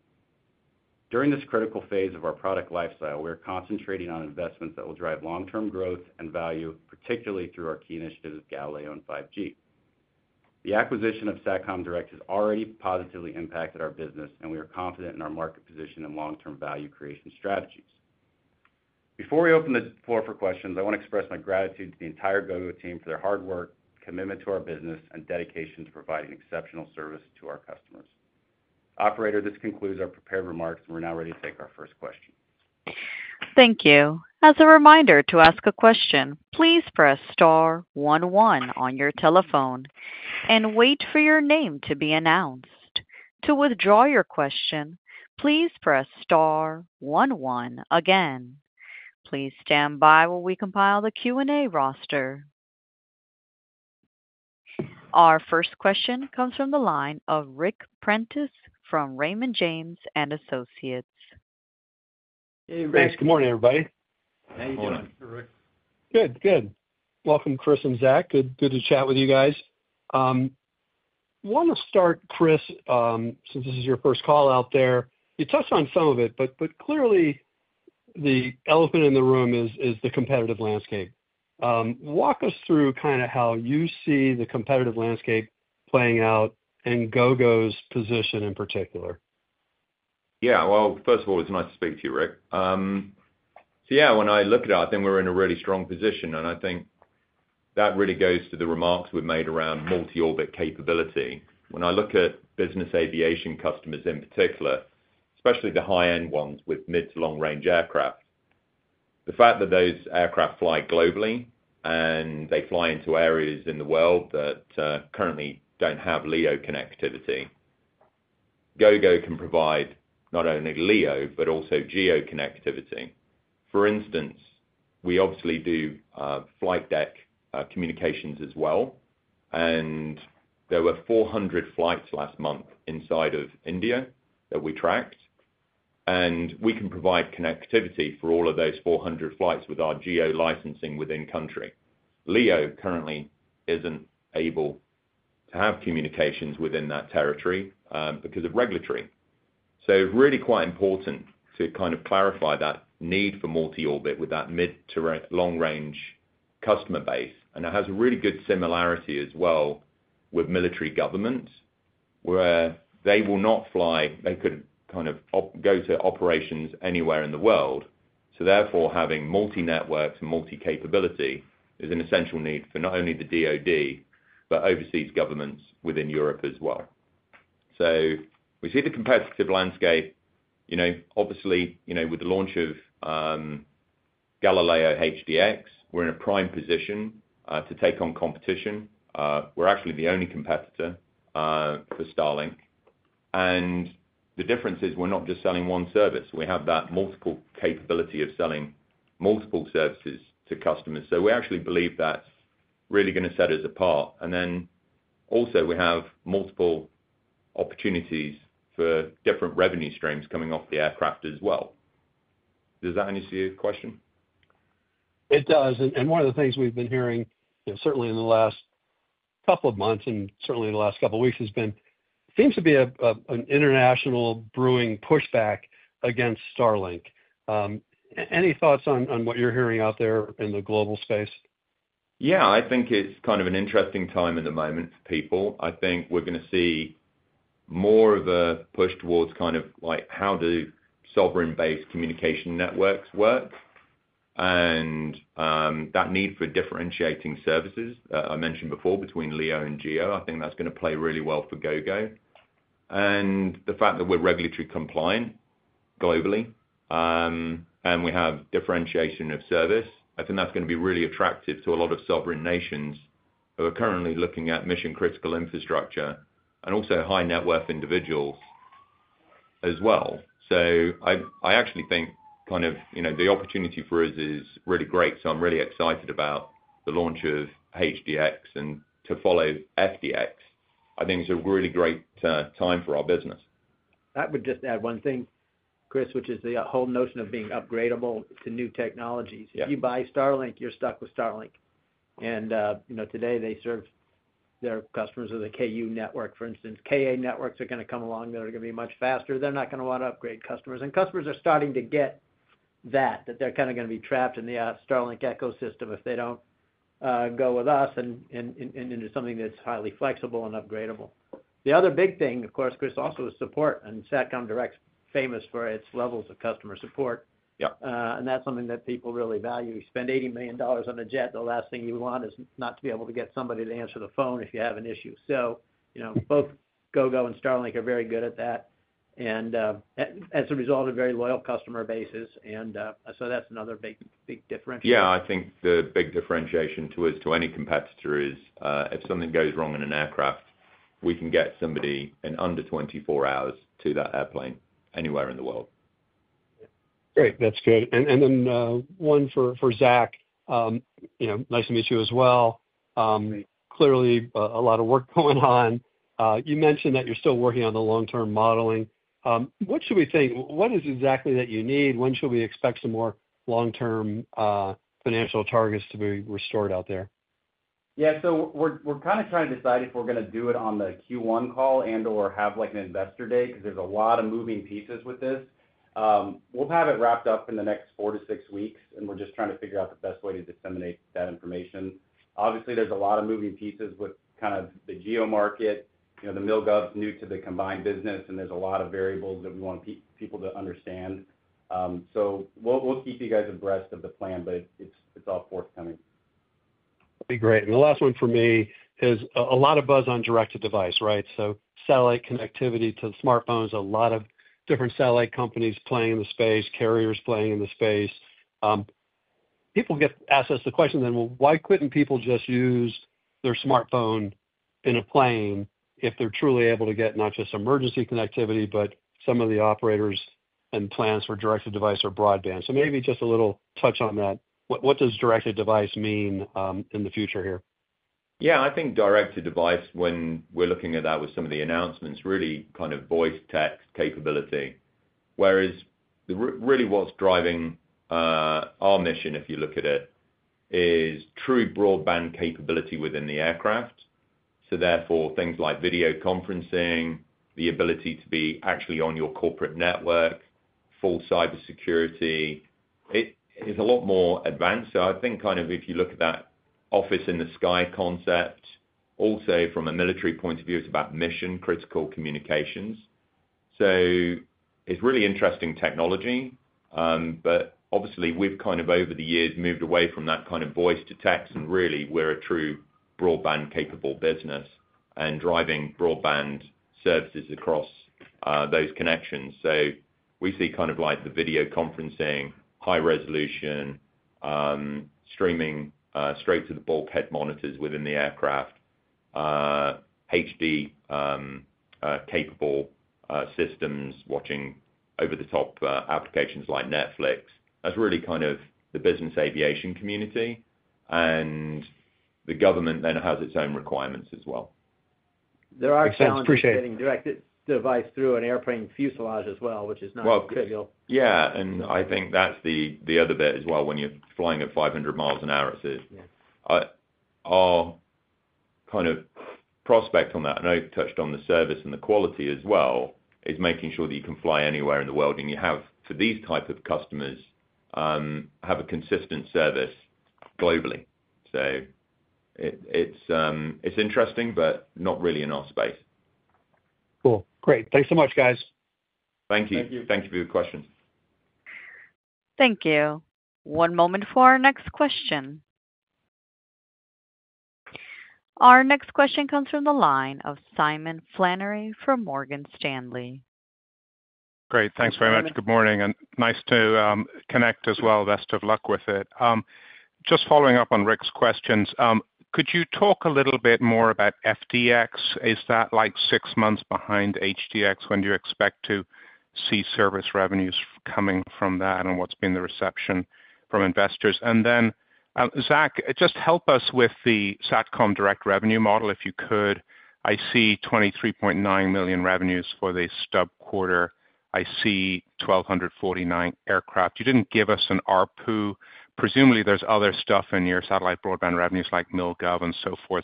During this critical phase of our product lifecycle, we are concentrating on investments that will drive long-term growth and value, particularly through our key initiatives of Galileo and 5G. The acquisition of Satcom Direct has already positively impacted our business, and we are confident in our market position and long-term value creation strategies. Before we open the floor for questions, I want to express my gratitude to the entire Gogo team for their hard work, commitment to our business, and dedication to providing exceptional service to our customers. Operator, this concludes our prepared remarks, and we're now ready to take our first question. Thank you. As a reminder to ask a question, please press star one one on your telephone and wait for your name to be announced. To withdraw your question, please press star one one again. Please stand by while we compile the Q&A roster. Our first question comes from the line of Ric Prentiss from Raymond James & Associates. Hey, Ric. Good morning, everybody. How are you doing? Ric? Good, good. Welcome, Chris and Zach. Good to chat with you guys. I want to start, Chris, since this is your first call out there. You touched on some of it, but clearly, the elephant in the room is the competitive landscape. Walk us through kind of how you see the competitive landscape playing out and Gogo's position in particular. Yeah. First of all, it's nice to speak to you, Ric. When I look at our thing, we're in a really strong position, and I think that really goes to the remarks we've made around multi-orbit capability. When I look at business aviation customers in particular, especially the high-end ones with mid to long-range aircraft, the fact that those aircraft fly globally and they fly into areas in the world that currently do not have LEO connectivity, Gogo can provide not only LEO but also GEO connectivity. For instance, we obviously do flight deck communications as well, and there were 400 flights last month inside of India that we tracked, and we can provide connectivity for all of those 400 flights with our GEO licensing within country. LEO currently is not able to have communications within that territory because of regulatory. It is really quite important to kind of clarify that need for multi-orbit with that mid to long-range customer base. It has a really good similarity as well with military governments, where they will not fly; they could kind of go to operations anywhere in the world. Therefore, having multi-networks and multi-capability is an essential need for not only the DOD but overseas governments within Europe as well. We see the competitive landscape. Obviously, with the launch of Galileo HDX, we're in a prime position to take on competition. We're actually the only competitor for Starlink. The difference is we're not just selling one service. We have that multiple capability of selling multiple services to customers. We actually believe that's really going to set us apart. Also, we have multiple opportunities for different revenue streams coming off the aircraft as well. Does that answer your question? It does. One of the things we've been hearing, certainly in the last couple of months and certainly in the last couple of weeks, has been there seems to be an international brewing pushback against Starlink. Any thoughts on what you're hearing out there in the global space? Yeah. I think it's kind of an interesting time at the moment for people. I think we're going to see more of a push towards kind of how do sovereign-based communication networks work and that need for differentiating services that I mentioned before between LEO and GEO. I think that's going to play really well for Gogo. The fact that we're regulatory compliant globally and we have differentiation of service, I think that's going to be really attractive to a lot of sovereign nations who are currently looking at mission-critical infrastructure and also high-net-worth individuals as well. I actually think kind of the opportunity for us is really great. I'm really excited about the launch of HDX and to follow FDX. I think it's a really great time for our business. I would just add one thing, Chris, which is the whole notion of being upgradable to new technologies. If you buy Starlink, you're stuck with Starlink. And today, they serve their customers with a KU network. For instance, KA networks are going to come along that are going to be much faster. They're not going to want to upgrade customers. Customers are starting to get that, that they're kind of going to be trapped in the Starlink ecosystem if they don't go with us and into something that's highly flexible and upgradable. The other big thing, of course, Chris, also is support. Satcom Direct's famous for its levels of customer support. That's something that people really value. You spend $80 million on a jet. The last thing you want is not to be able to get somebody to answer the phone if you have an issue. Both Gogo and Starlink are very good at that and, as a result, a very loyal customer basis. That's another big differentiator. I think the big differentiation to any competitor is if something goes wrong in an aircraft, we can get somebody in under 24 hours to that airplane anywhere in the world. Great. That's good. One for Zach. Nice to meet you as well. Clearly, a lot of work going on. You mentioned that you're still working on the long-term modeling. What should we think? What is exactly that you need? When should we expect some more long-term financial targets to be restored out there? Yeah. We're kind of trying to decide if we're going to do it on the Q1 call and/or have an investor day because there's a lot of moving pieces with this. We'll have it wrapped up in the next four to six weeks, and we're just trying to figure out the best way to disseminate that information. Obviously, there's a lot of moving pieces with kind of the GEO market. The mil/gov's new to the combined business, and there's a lot of variables that we want people to understand. We will keep you guys abreast of the plan, but it's all forthcoming. That'd be great. The last one for me is a lot of buzz on direct-to-device, right? Satellite connectivity to the smartphones, a lot of different satellite companies playing in the space, carriers playing in the space. People get asked us the question then, "Why couldn't people just use their smartphone in a plane if they're truly able to get not just emergency connectivity, but some of the operators and plans for direct-to-device or broadband?" Maybe just a little touch on that. What does direct-to-device mean in the future here? Yeah. I think direct-to-device, when we're looking at that with some of the announcements, really kind of voice-text capability. Whereas really what's driving our mission, if you look at it, is true broadband capability within the aircraft. Therefore, things like video conferencing, the ability to be actually on your corporate network, full cybersecurity. It's a lot more advanced. I think if you look at that office-in-the-sky concept, also from a military point of view, it's about mission-critical communications. It's really interesting technology. Obviously, we've kind of over the years moved away from that kind of voice-to-text, and really we're a true broadband-capable business and driving broadband services across those connections. We see kind of like the video conferencing, high-resolution streaming straight to the bulkhead monitors within the aircraft, HD-capable systems, watching over-the-top applications like Netflix. That's really kind of the business aviation community. The government then has its own requirements as well. There are challenges getting direct-to-device through an airplane fuselage as well, which is not trivial. Yeah. I think that's the other bit as well. When you're flying at 500 miles an hour, our kind of prospect on that, and I touched on the service and the quality as well, is making sure that you can fly anywhere in the world. You have, for these type of customers, a consistent service globally. It's interesting, but not really in our space. Cool. Great. Thanks so much, guys. Thank you. Thank you for your questions. Thank you. One moment for our next question. Our next question comes from the line of Simon Flannery for Morgan Stanley. Great. Thanks very much. Good morning. And nice to connect as well. Best of luck with it. Just following up on Ric's questions, could you talk a little bit more about FDX? Is that like six months behind HDX? When do you expect to see service revenues coming from that and what's been the reception from investors? And then, Zach, just help us with the Satcom Direct revenue model if you could. I see $23.9 million revenues for the stub quarter. I see 1,249 aircraft. You didn't give us an ARPU. Presumably, there's other stuff in your satellite broadband revenues like mil/gov and so forth.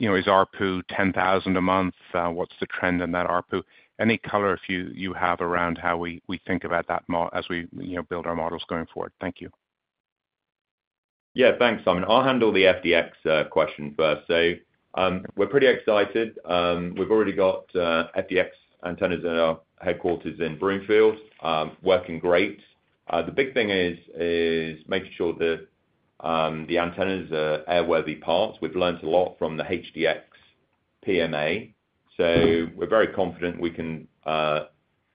Is ARPU $10,000 a month? What's the trend in that ARPU? Any color if you have around how we think about that as we build our models going forward? Thank you. Yeah. Thanks, Simon. I'll handle the FDX question first. We're pretty excited. We've already got FDX antennas at our headquarters in Broomfield. Working great. The big thing is making sure that the antennas are airworthy parts. We've learned a lot from the HDX PMA. We're very confident we can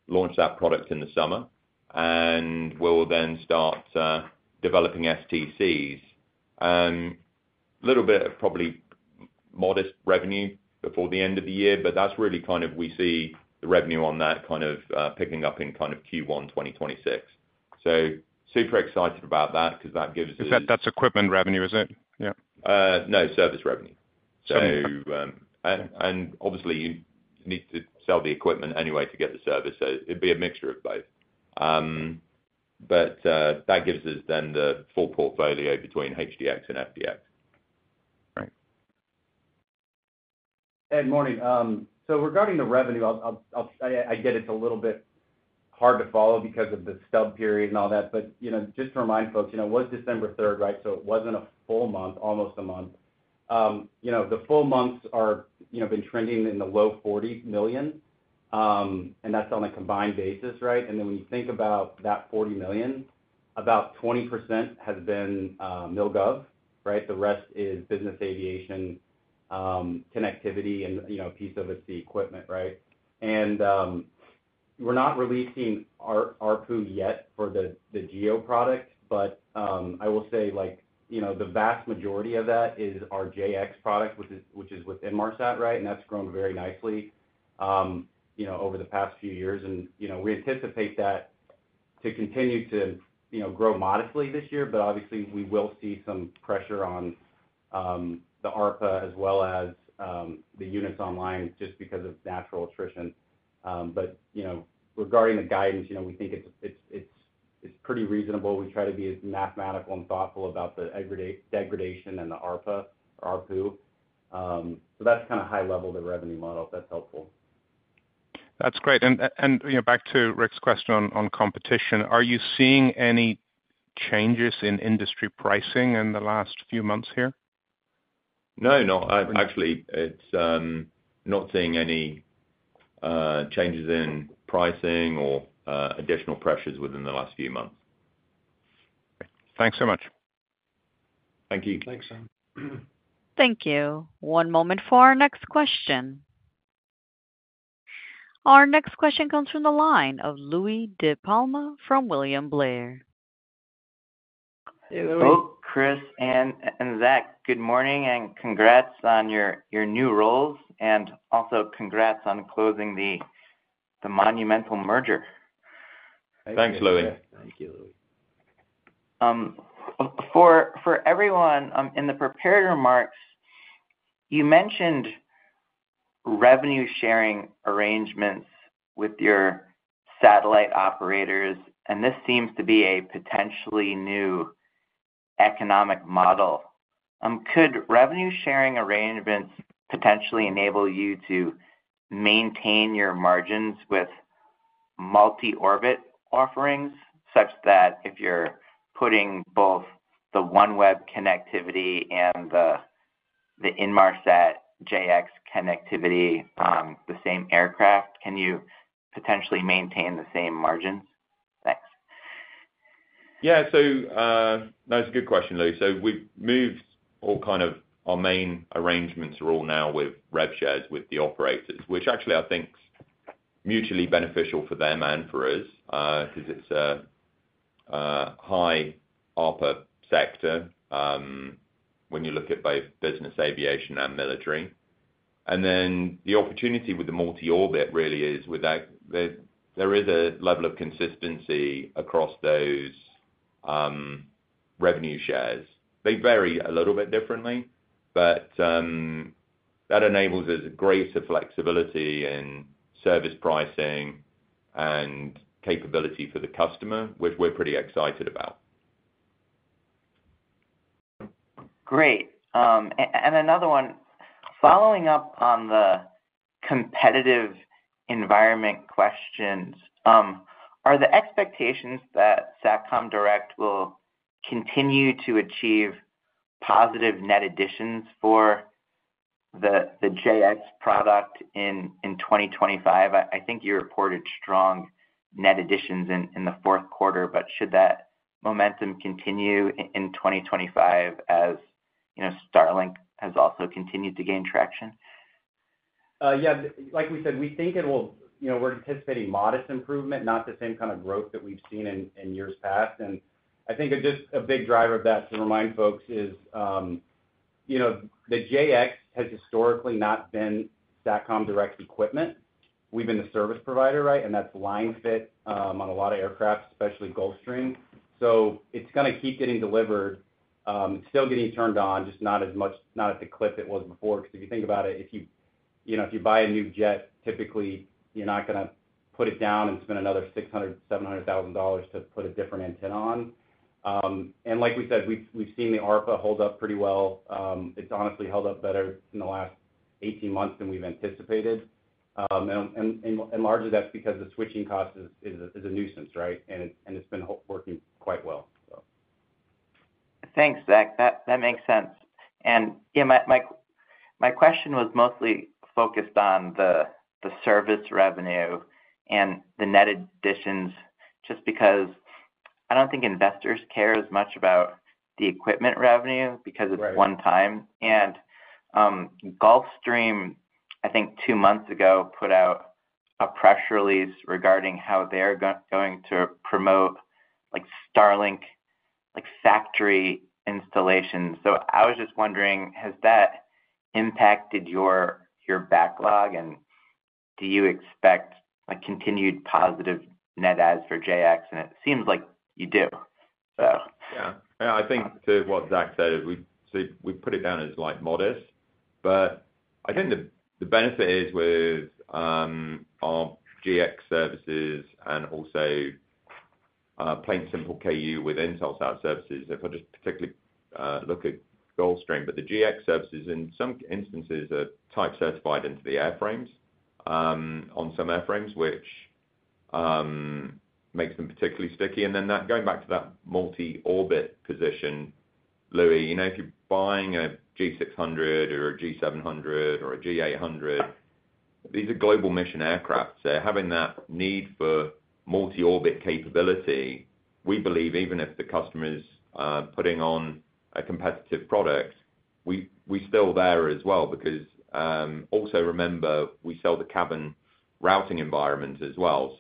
launch that product in the summer, and we'll then start developing STCs. A little bit of probably modest revenue before the end of the year, but that's really kind of we see the revenue on that kind of picking up in kind of Q1 2026. Super excited about that because that gives us. That's equipment revenue, is it? Yeah. No, service revenue. Obviously, you need to sell the equipment anyway to get the service. It would be a mixture of both. That gives us then the full portfolio between HDX and FDX. Right. Good morning. Regarding the revenue, I get it's a little bit hard to follow because of the stub period and all that. Just to remind folks, it was December 3, right? It was not a full month, almost a month. The full months have been trending in the low $40 million, and that's on a combined basis, right? When you think about that $40 million, about 20% has been MilSat, right? The rest is business aviation connectivity and a piece of it is the equipment, right? We are not releasing ARPU yet for the GEO product, but I will say the vast majority of that is our JX product, which is with Inmarsat, right? That has grown very nicely over the past few years. We anticipate that to continue to grow modestly this year, but obviously, we will see some pressure on the RPU as well as the units online just because of natural attrition. Regarding the guidance, we think it is pretty reasonable. We try to be as mathematical and thoughtful about the degradation and the RPU or ARPU. That is kind of high-level, the revenue model. That is helpful. That is great. Back to Ric's question on competition, are you seeing any changes in industry pricing in the last few months here? No, no. Actually, not seeing any changes in pricing or additional pressures within the last few months. Thanks so much. Thank you. Thanks, Simon. Thank you. One moment for our next question. Our next question comes from the line of Louie DiPalma from William Blair. Hey, Louie. Hello, Chris and Zach. Good morning and congrats on your new roles. Also, congrats on closing the monumental merger. Thanks, Louis. Thank you, Louis. For everyone in the prepared remarks, you mentioned revenue-sharing arrangements with your satellite operators, and this seems to be a potentially new economic model. Could revenue-sharing arrangements potentially enable you to maintain your margins with multi-orbit offerings such that if you're putting both the OneWeb connectivity and the Inmarsat JX connectivity on the same aircraft, can you potentially maintain the same margins? Thanks. Yeah. That's a good question, Louie. We've moved all kind of our main arrangements are all now with rev shares with the operators, which actually I think is mutually beneficial for them and for us because it's a high ARPU sector when you look at both business aviation and military. The opportunity with the multi-orbit really is there is a level of consistency across those revenue shares. They vary a little bit differently, but that enables us greater flexibility in service pricing and capability for the customer, which we're pretty excited about. Great. Another one, following up on the competitive environment questions, are the expectations that Satcom Direct will continue to achieve positive net additions for the JX product in 2025? I think you reported strong net additions in the fourth quarter, but should that momentum continue in 2025 as Starlink has also continued to gain traction? Yeah. Like we said, we think it will. We're anticipating modest improvement, not the same kind of growth that we've seen in years past. I think just a big driver of that to remind folks is the JX has historically not been Satcom Direct equipment. We've been the service provider, right? That's line fit on a lot of aircraft, especially Gulfstream. It's going to keep getting delivered. It's still getting turned on, just not as much, not at the clip it was before. If you think about it, if you buy a new jet, typically you're not going to put it down and spend another $600,000-$700,000 to put a different antenna on. Like we said, we've seen the ARPU hold up pretty well. It's honestly held up better in the last 18 months than we've anticipated. Largely, that's because the switching cost is a nuisance, right? It's been working quite well, so. Thanks, Zach. That makes sense. My question was mostly focused on the service revenue and the net additions just because I do not think investors care as much about the equipment revenue because it is one time. Gulfstream, I think two months ago, put out a press release regarding how they are going to promote Starlink factory installations. I was just wondering, has that impacted your backlog, and do you expect continued positive net adds for JX? It seems like you do, so. Yeah. Yeah. I think to what Zach said, we put it down as modest. I think the benefit is with our GX services and also plain simple KU with Intelsat services. If I just particularly look at Gulfstream, the GX services in some instances are type certified into the airframes on some airframes, which makes them particularly sticky. Going back to that multi-orbit position, Louie, if you're buying a G600 or a G700 or a G800, these are global mission aircraft. Having that need for multi-orbit capability, we believe even if the customer is putting on a competitive product, we're still there as well. Also remember, we sell the cabin routing environment as well.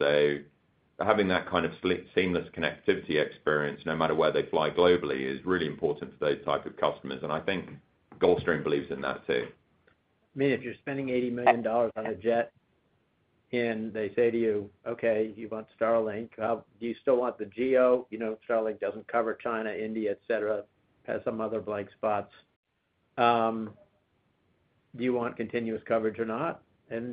Having that kind of seamless connectivity experience no matter where they fly globally is really important for those types of customers. I think Gulfstream believes in that too. I mean, if you're spending $80 million on a jet and they say to you, "Okay, you want Starlink. Do you still want the GEO?" Starlink doesn't cover China, India, etc., has some other blank spots. Do you want continuous coverage or not?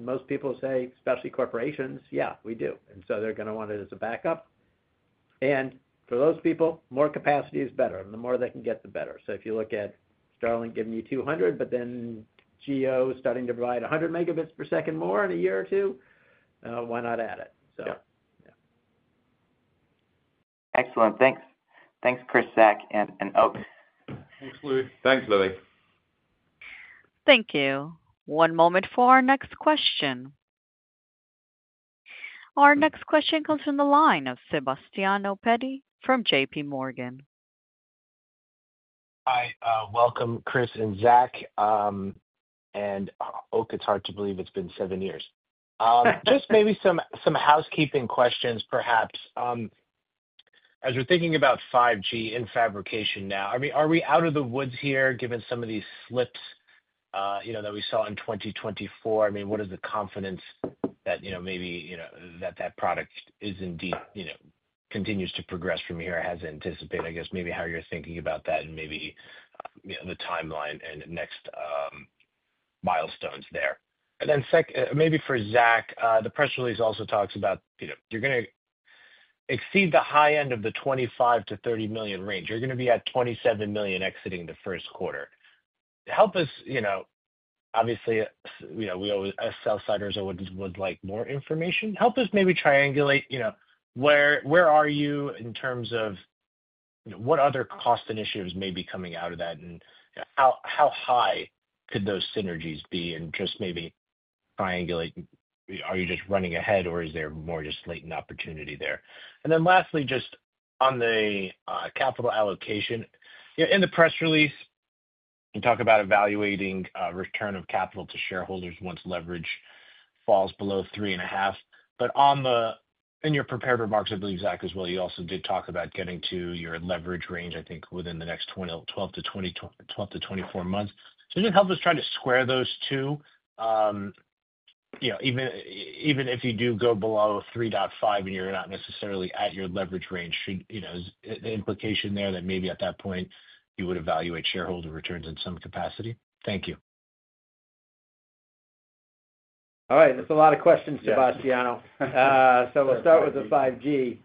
Most people say, especially corporations, "Yeah, we do." They are going to want it as a backup. For those people, more capacity is better. The more they can get, the better. If you look at Starlink giving you 200, but then GEO starting to provide 100 megabits per second more in a year or two, why not add it? Excellent. Thanks. Thanks, Chris, Zach, and Oak. Thanks, Louie. Thanks, Louie. Thank you. One moment for our next question. Our next question comes from the line of Sebastiano Petti from J.P. Morgan. Hi. Welcome, Chris and Zach. Oak, it is hard to believe it has been seven years. Just maybe some housekeeping questions, perhaps. As we are thinking about 5G in fabrication now, I mean, are we out of the woods here given some of these slips that we saw in 2024? I mean, what is the confidence that maybe that that product is indeed continues to progress from here as anticipated? I guess maybe how you're thinking about that and maybe the timeline and next milestones there. Then maybe for Zach, the press release also talks about you're going to exceed the high end of the $25 million-$30 million range. You're going to be at $27 million exiting the first quarter. Help us, obviously, we always as sell-siders always would like more information. Help us maybe triangulate where are you in terms of what other cost initiatives may be coming out of that and how high could those synergies be and just maybe triangulate. Are you just running ahead, or is there more just latent opportunity there? Lastly, just on the capital allocation, in the press release, you talk about evaluating return of capital to shareholders once leverage falls below three and a half. In your prepared remarks, I believe Zach as well, you also did talk about getting to your leverage range, I think, within the next 12 to 24 months. Help us try to square those two. Even if you do go below 3.5 and you're not necessarily at your leverage range, should the implication there be that maybe at that point you would evaluate shareholder returns in some capacity? Thank you. All right. That's a lot of questions, Sebastiano. We'll start with the 5G.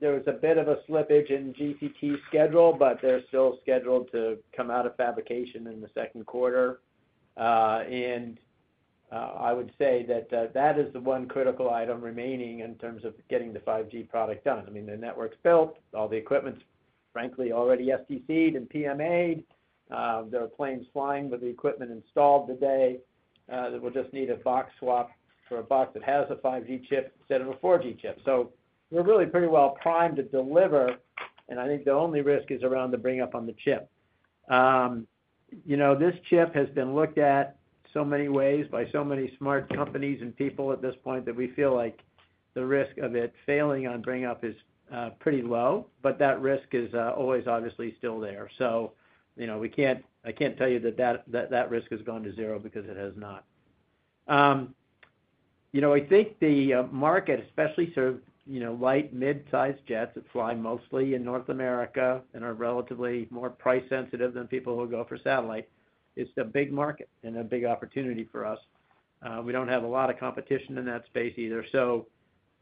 There was a bit of a slippage in GTT schedule, but they're still scheduled to come out of fabrication in the second quarter. I would say that that is the one critical item remaining in terms of getting the 5G product done. I mean, the network's built. All the equipment's, frankly, already STC'd and PMA'd. There are planes flying with the equipment installed today. We'll just need a box swap for a box that has a 5G chip instead of a 4G chip. We are really pretty well primed to deliver. I think the only risk is around the bring-up on the chip. This chip has been looked at so many ways by so many smart companies and people at this point that we feel like the risk of it failing on bring-up is pretty low, but that risk is always obviously still there. I can't tell you that that risk has gone to zero because it has not. I think the market, especially sort of light, mid-sized jets that fly mostly in North America and are relatively more price-sensitive than people who go for satellite, is a big market and a big opportunity for us. We do not have a lot of competition in that space either. We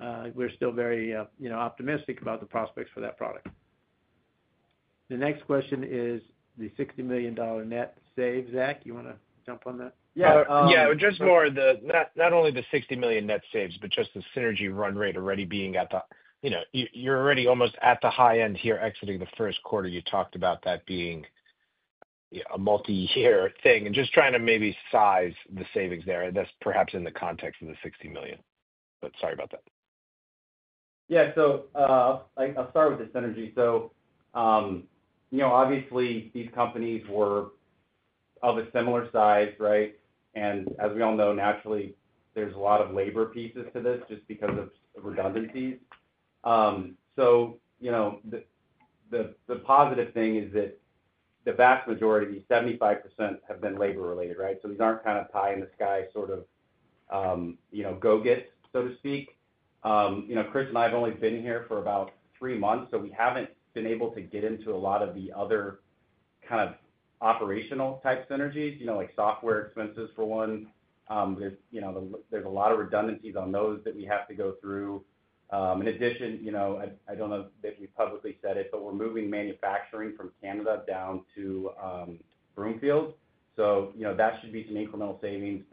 are still very optimistic about the prospects for that product. The next question is the $60 million net save, Zach. You want to jump on that? Yeah. Yeah. Just more of the not only the $60 million net saves, but just the synergy run rate already being at the you are already almost at the high end here exiting the first quarter. You talked about that being a multi-year thing. Just trying to maybe size the savings there. That is perhaps in the context of the $60 million. Sorry about that. I will start with the synergy. Obviously, these companies were of a similar size, right? As we all know, naturally, there's a lot of labor pieces to this just because of redundancies. The positive thing is that the vast majority, 75%, have been labor-related, right? These aren't kind of pie-in-the-sky sort of go-gets, so to speak. Chris and I have only been here for about three months, so we haven't been able to get into a lot of the other kind of operational type synergies, like software expenses for one. There's a lot of redundancies on those that we have to go through. In addition, I don't know if we publicly said it, but we're moving manufacturing from Canada down to Broomfield. That should be some incremental savings.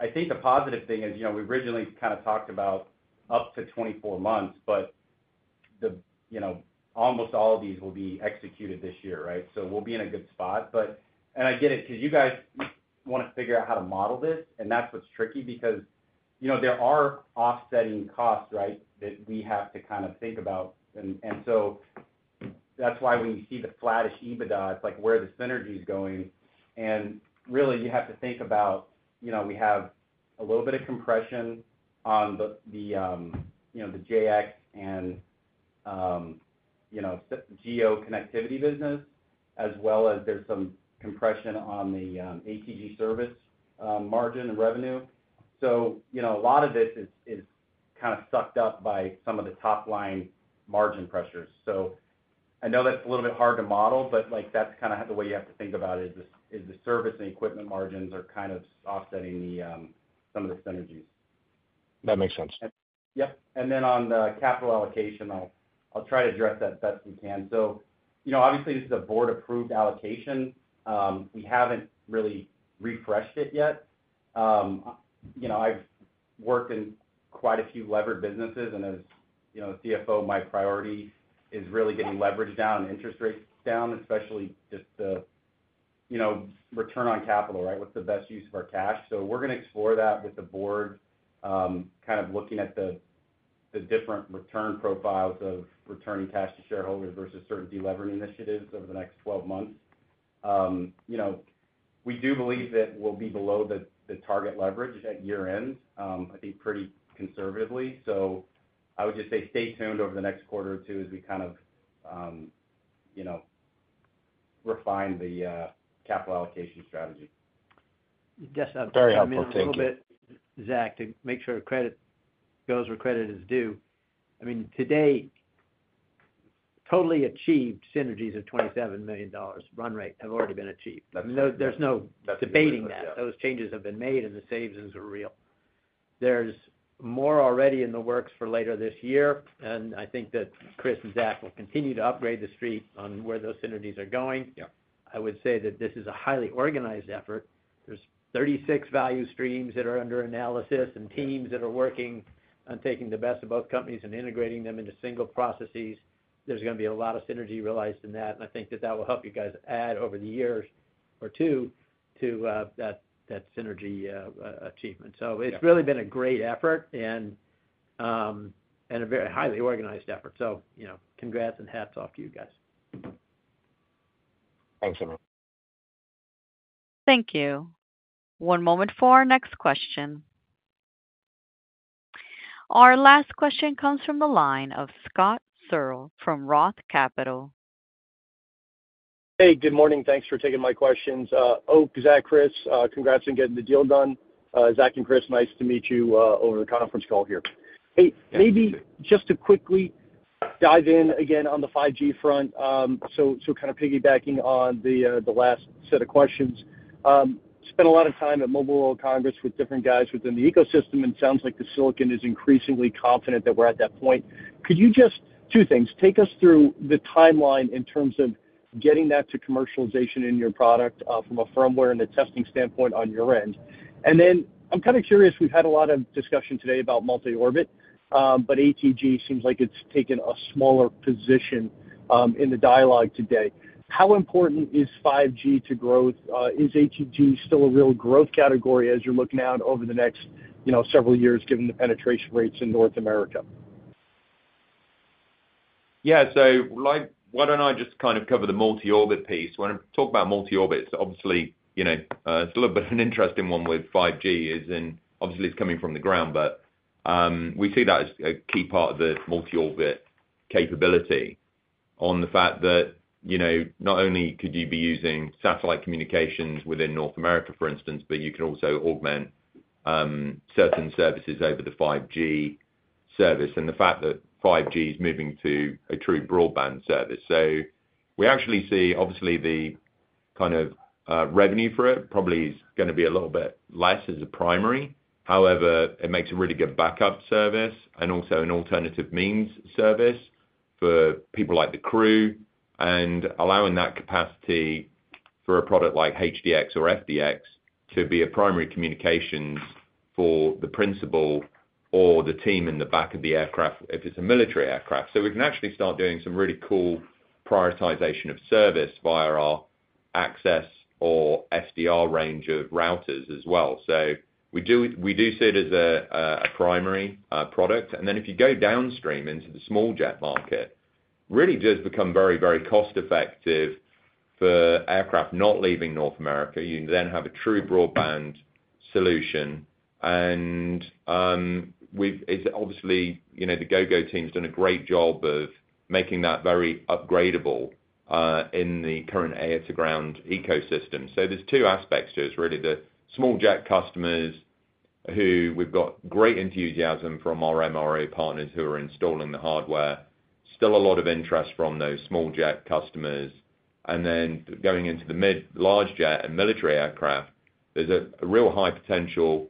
I think the positive thing is we originally kind of talked about up to 24 months, but almost all of these will be executed this year, right? We'll be in a good spot. I get it because you guys want to figure out how to model this. That's what's tricky because there are offsetting costs, right, that we have to kind of think about. That's why when you see the flattish EBITDA, it's like where the synergy is going. Really, you have to think about we have a little bit of compression on the JX and GEO connectivity business, as well as there's some compression on the ATG service margin and revenue. A lot of this is kind of sucked up by some of the top-line margin pressures. I know that's a little bit hard to model, but that's kind of the way you have to think about it is the service and equipment margins are kind of offsetting some of the synergies. That makes sense. Yep. On the capital allocation, I'll try to address that best we can. Obviously, this is a board-approved allocation. We haven't really refreshed it yet. I've worked in quite a few levered businesses, and as CFO, my priority is really getting leverage down and interest rates down, especially just the return on capital, right? What's the best use of our cash? We're going to explore that with the board, kind of looking at the different return profiles of returning cash to shareholders versus certain deleveraging initiatives over the next 12 months. We do believe that we'll be below the target leverage at year-end, I think pretty conservatively. I would just say stay tuned over the next quarter or two as we kind of refine the capital allocation strategy. Yes. Very helpful. Thank you. Just a little bit, Zach, to make sure credit is due. I mean, today, totally achieved synergies of $27 million run rate have already been achieved. There's no debating that. Those changes have been made, and the savings are real. There's more already in the works for later this year. I think that Chris and Zach will continue to upgrade the street on where those synergies are going. I would say that this is a highly organized effort. There are 36 value streams that are under analysis and teams that are working on taking the best of both companies and integrating them into single processes. There's going to be a lot of synergy realized in that. I think that that will help you guys add over the years or two to that synergy achievement. It has really been a great effort and a very highly organized effort. Congrats and hats off to you guys. Thanks, everyone. Thank you. One moment for our next question. Our last question comes from the line of Scott Searle from ROTH Capital. Hey, good morning. Thanks for taking my questions. Oak, Zach, Chris, congrats on getting the deal done. Zach and Chris, nice to meet you over the conference call here. Maybe just to quickly dive in again on the 5G front, kind of piggybacking on the last set of questions. Spent a lot of time at Mobile World Congress with different guys within the ecosystem, and it sounds like the silicon is increasingly confident that we're at that point. Could you just, two things, take us through the timeline in terms of getting that to commercialization in your product from a firmware and a testing standpoint on your end? And then I'm kind of curious. We've had a lot of discussion today about multi-orbit, but ATG seems like it's taken a smaller position in the dialogue today. How important is 5G to growth? Is ATG still a real growth category as you're looking out over the next several years given the penetration rates in North America? Yeah. Why don't I just kind of cover the multi-orbit piece? When I talk about multi-orbit, obviously, it's a little bit of an interesting one with 5G, as in obviously, it's coming from the ground, but we see that as a key part of the multi-orbit capability on the fact that not only could you be using satellite communications within North America, for instance, but you can also augment certain services over the 5G service and the fact that 5G is moving to a true broadband service. We actually see, obviously, the kind of revenue for it probably is going to be a little bit less as a primary. However, it makes a really good backup service and also an alternative means service for people like the crew and allowing that capacity for a product like HDX or FDX to be a primary communications for the principal or the team in the back of the aircraft if it's a military aircraft. We can actually start doing some really cool prioritization of service via our access or SDR range of routers as well. We do see it as a primary product. If you go downstream into the small jet market, it really does become very, very cost-effective for aircraft not leaving North America. You then have a true broadband solution. Obviously, the Gogo team's done a great job of making that very upgradable in the current air-to-ground ecosystem. There are two aspects to it, really. The small jet customers who we've got great enthusiasm from our MRA partners who are installing the hardware, still a lot of interest from those small jet customers. Going into the mid-large jet and military aircraft, there's a real high potential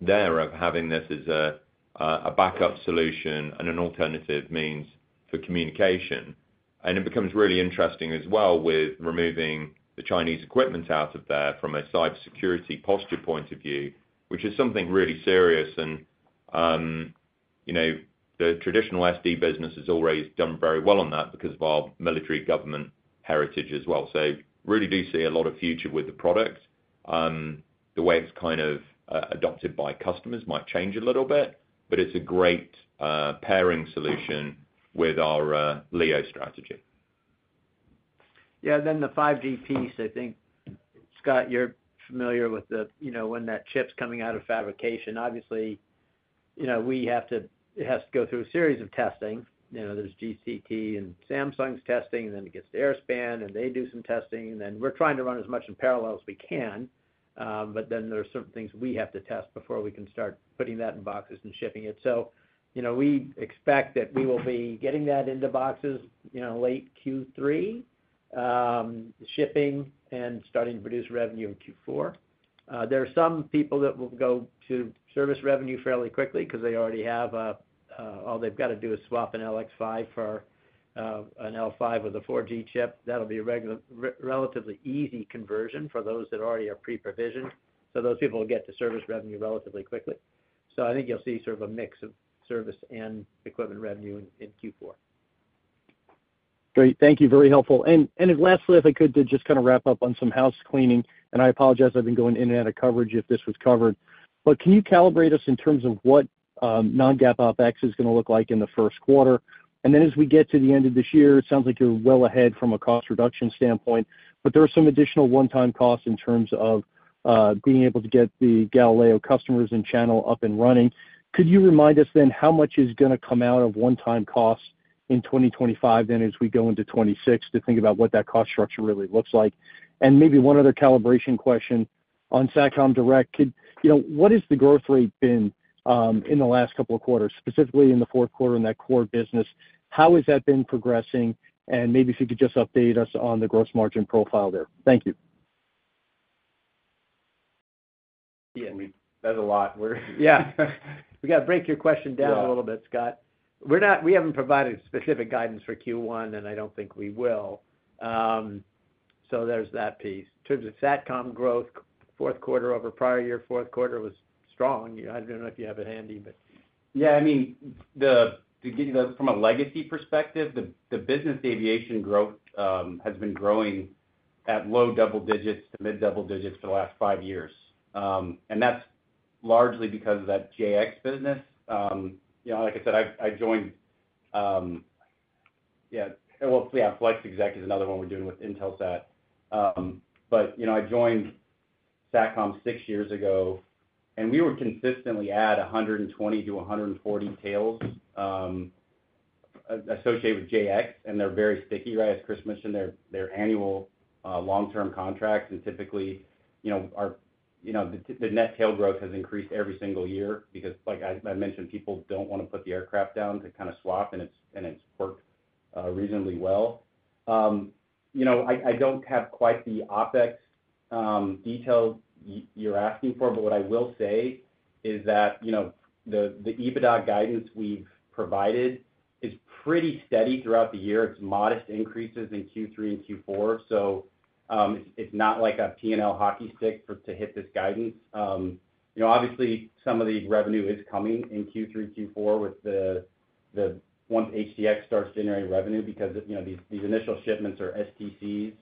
there of having this as a backup solution and an alternative means for communication. It becomes really interesting as well with removing the Chinese equipment out of there from a cybersecurity posture point of view, which is something really serious. The traditional SD business has always done very well on that because of our military government heritage as well. I really do see a lot of future with the product. The way it's kind of adopted by customers might change a little bit, but it's a great pairing solution with our LEO strategy. Yeah. The 5G piece, I think, Scott, you're familiar with when that chip's coming out of fabrication. Obviously, it has to go through a series of testing. There's GCT and Samsung's testing, and then it gets to Airspan, and they do some testing. We're trying to run as much in parallel as we can. There are certain things we have to test before we can start putting that in boxes and shipping it. We expect that we will be getting that into boxes late Q3, shipping, and starting to produce revenue in Q4. There are some people that will go to service revenue fairly quickly because they already have all they've got to do is swap an LX5 for an L5 with a 4G chip. That'll be a relatively easy conversion for those that already are pre-provisioned. Those people will get to service revenue relatively quickly. I think you'll see sort of a mix of service and equipment revenue in Q4. Great. Thank you. Very helpful. Lastly, if I could, to just kind of wrap up on some house cleaning. I apologize. I've been going in and out of coverage if this was covered. Can you calibrate us in terms of what non-GAAP OpEx is going to look like in the first quarter? As we get to the end of this year, it sounds like you're well ahead from a cost reduction standpoint, but there are some additional one-time costs in terms of being able to get the Galileo customers and channel up and running. Could you remind us then how much is going to come out of one-time costs in 2025 then as we go into 2026 to think about what that cost structure really looks like? Maybe one other calibration question on Satcom Direct. What has the growth rate been in the last couple of quarters, specifically in the fourth quarter in that core business? How has that been progressing? Maybe if you could just update us on the gross margin profile there. Thank you. Yeah. That's a lot. Yeah. We got to break your question down a little bit, Scott. We haven't provided specific guidance for Q1, and I don't think we will. There is that piece. In terms of Satcom growth, fourth quarter over prior year, fourth quarter was strong. I don't know if you have it handy, but. Yeah. I mean, from a legacy perspective, the business aviation growth has been growing at low double digits to mid-double digits for the last five years. That's largely because of that JX business. Like I said, I joined, yeah. FlexExec is another one we're doing with Intelsat. I joined Satcom six years ago, and we were consistently at 120-140 tails associated with JX. They're very sticky, right? As Chris mentioned, they're annual long-term contracts. Typically, the net tail growth has increased every single year because, like I mentioned, people don't want to put the aircraft down to kind of swap, and it's worked reasonably well. I don't have quite the OpEx detail you're asking for, but what I will say is that the EBITDA guidance we've provided is pretty steady throughout the year. It's modest increases in Q3 and Q4. It is not like a P&L hockey stick to hit this guidance. Obviously, some of the revenue is coming in Q3, Q4 once HDX starts generating revenue because these initial shipments are STCs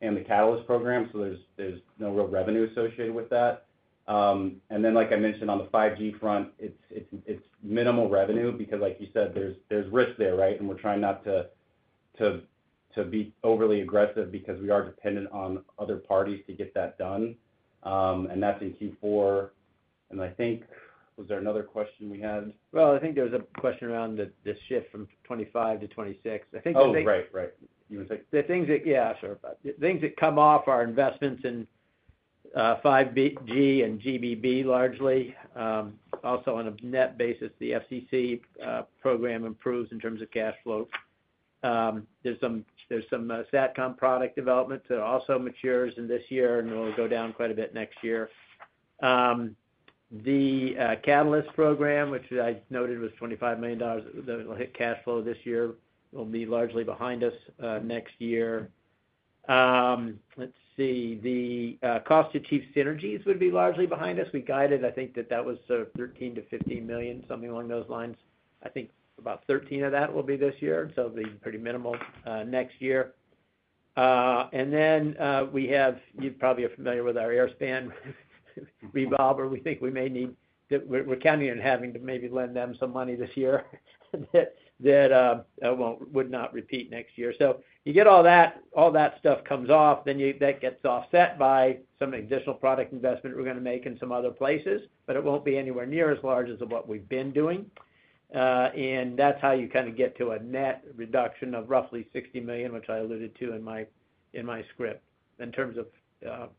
and the catalyst program. There is no real revenue associated with that. Then, like I mentioned, on the 5G front, it is minimal revenue because, like you said, there is risk there, right? We are trying not to be overly aggressive because we are dependent on other parties to get that done. That is in Q4. I think, was there another question we had? I think there was a question around the shift from 2025 to 2026. I think the things. Oh, right, right. You want to take? Yeah, sure. Things that come off are investments in 5G and GBB largely. Also, on a net basis, the FCC program improves in terms of cash flow. There's some Satcom product development that also matures in this year, and it will go down quite a bit next year. The catalyst program, which I noted was $25 million, the cash flow this year will be largely behind us next year. Let's see. The cost-achieved synergies would be largely behind us. We guided, I think that that was sort of $13 million-$15 million, something along those lines. I think about $13 million of that will be this year. It will be pretty minimal next year. You probably are familiar with our Airspan, Revolver. We think we may need that, we're counting on having to maybe lend them some money this year that would not repeat next year. You get all that. All that stuff comes off. That gets offset by some additional product investment we're going to make in some other places, but it won't be anywhere near as large as what we've been doing. That is how you kind of get to a net reduction of roughly $60 million, which I alluded to in my script in terms of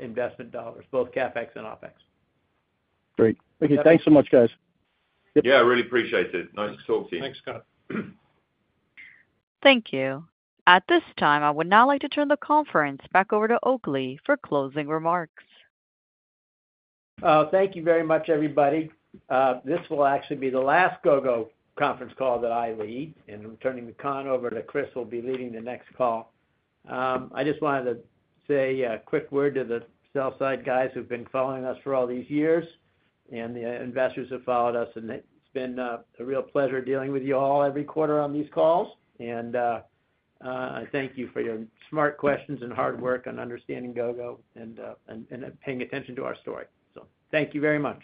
investment dollars, both CapEx and OpEx. Great. Thank you. Thanks so much, guys. Yeah. I really appreciate it. Nice to talk to you. Thanks, Scott. Thank you. At this time, I would now like to turn the conference back over to Oakleigh for closing remarks. Thank you very much, everybody. This will actually be the last Gogo conference call that I lead, and I'm turning the con over to Chris, who will be leading the next call. I just wanted to say a quick word to the sell-side guys who've been following us for all these years and the investors who followed us. It's been a real pleasure dealing with you all every quarter on these calls. I thank you for your smart questions and hard work on understanding Gogo and paying attention to our story. Thank you very much.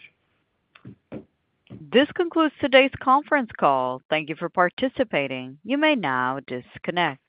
This concludes today's conference call. Thank you for participating. You may now disconnect.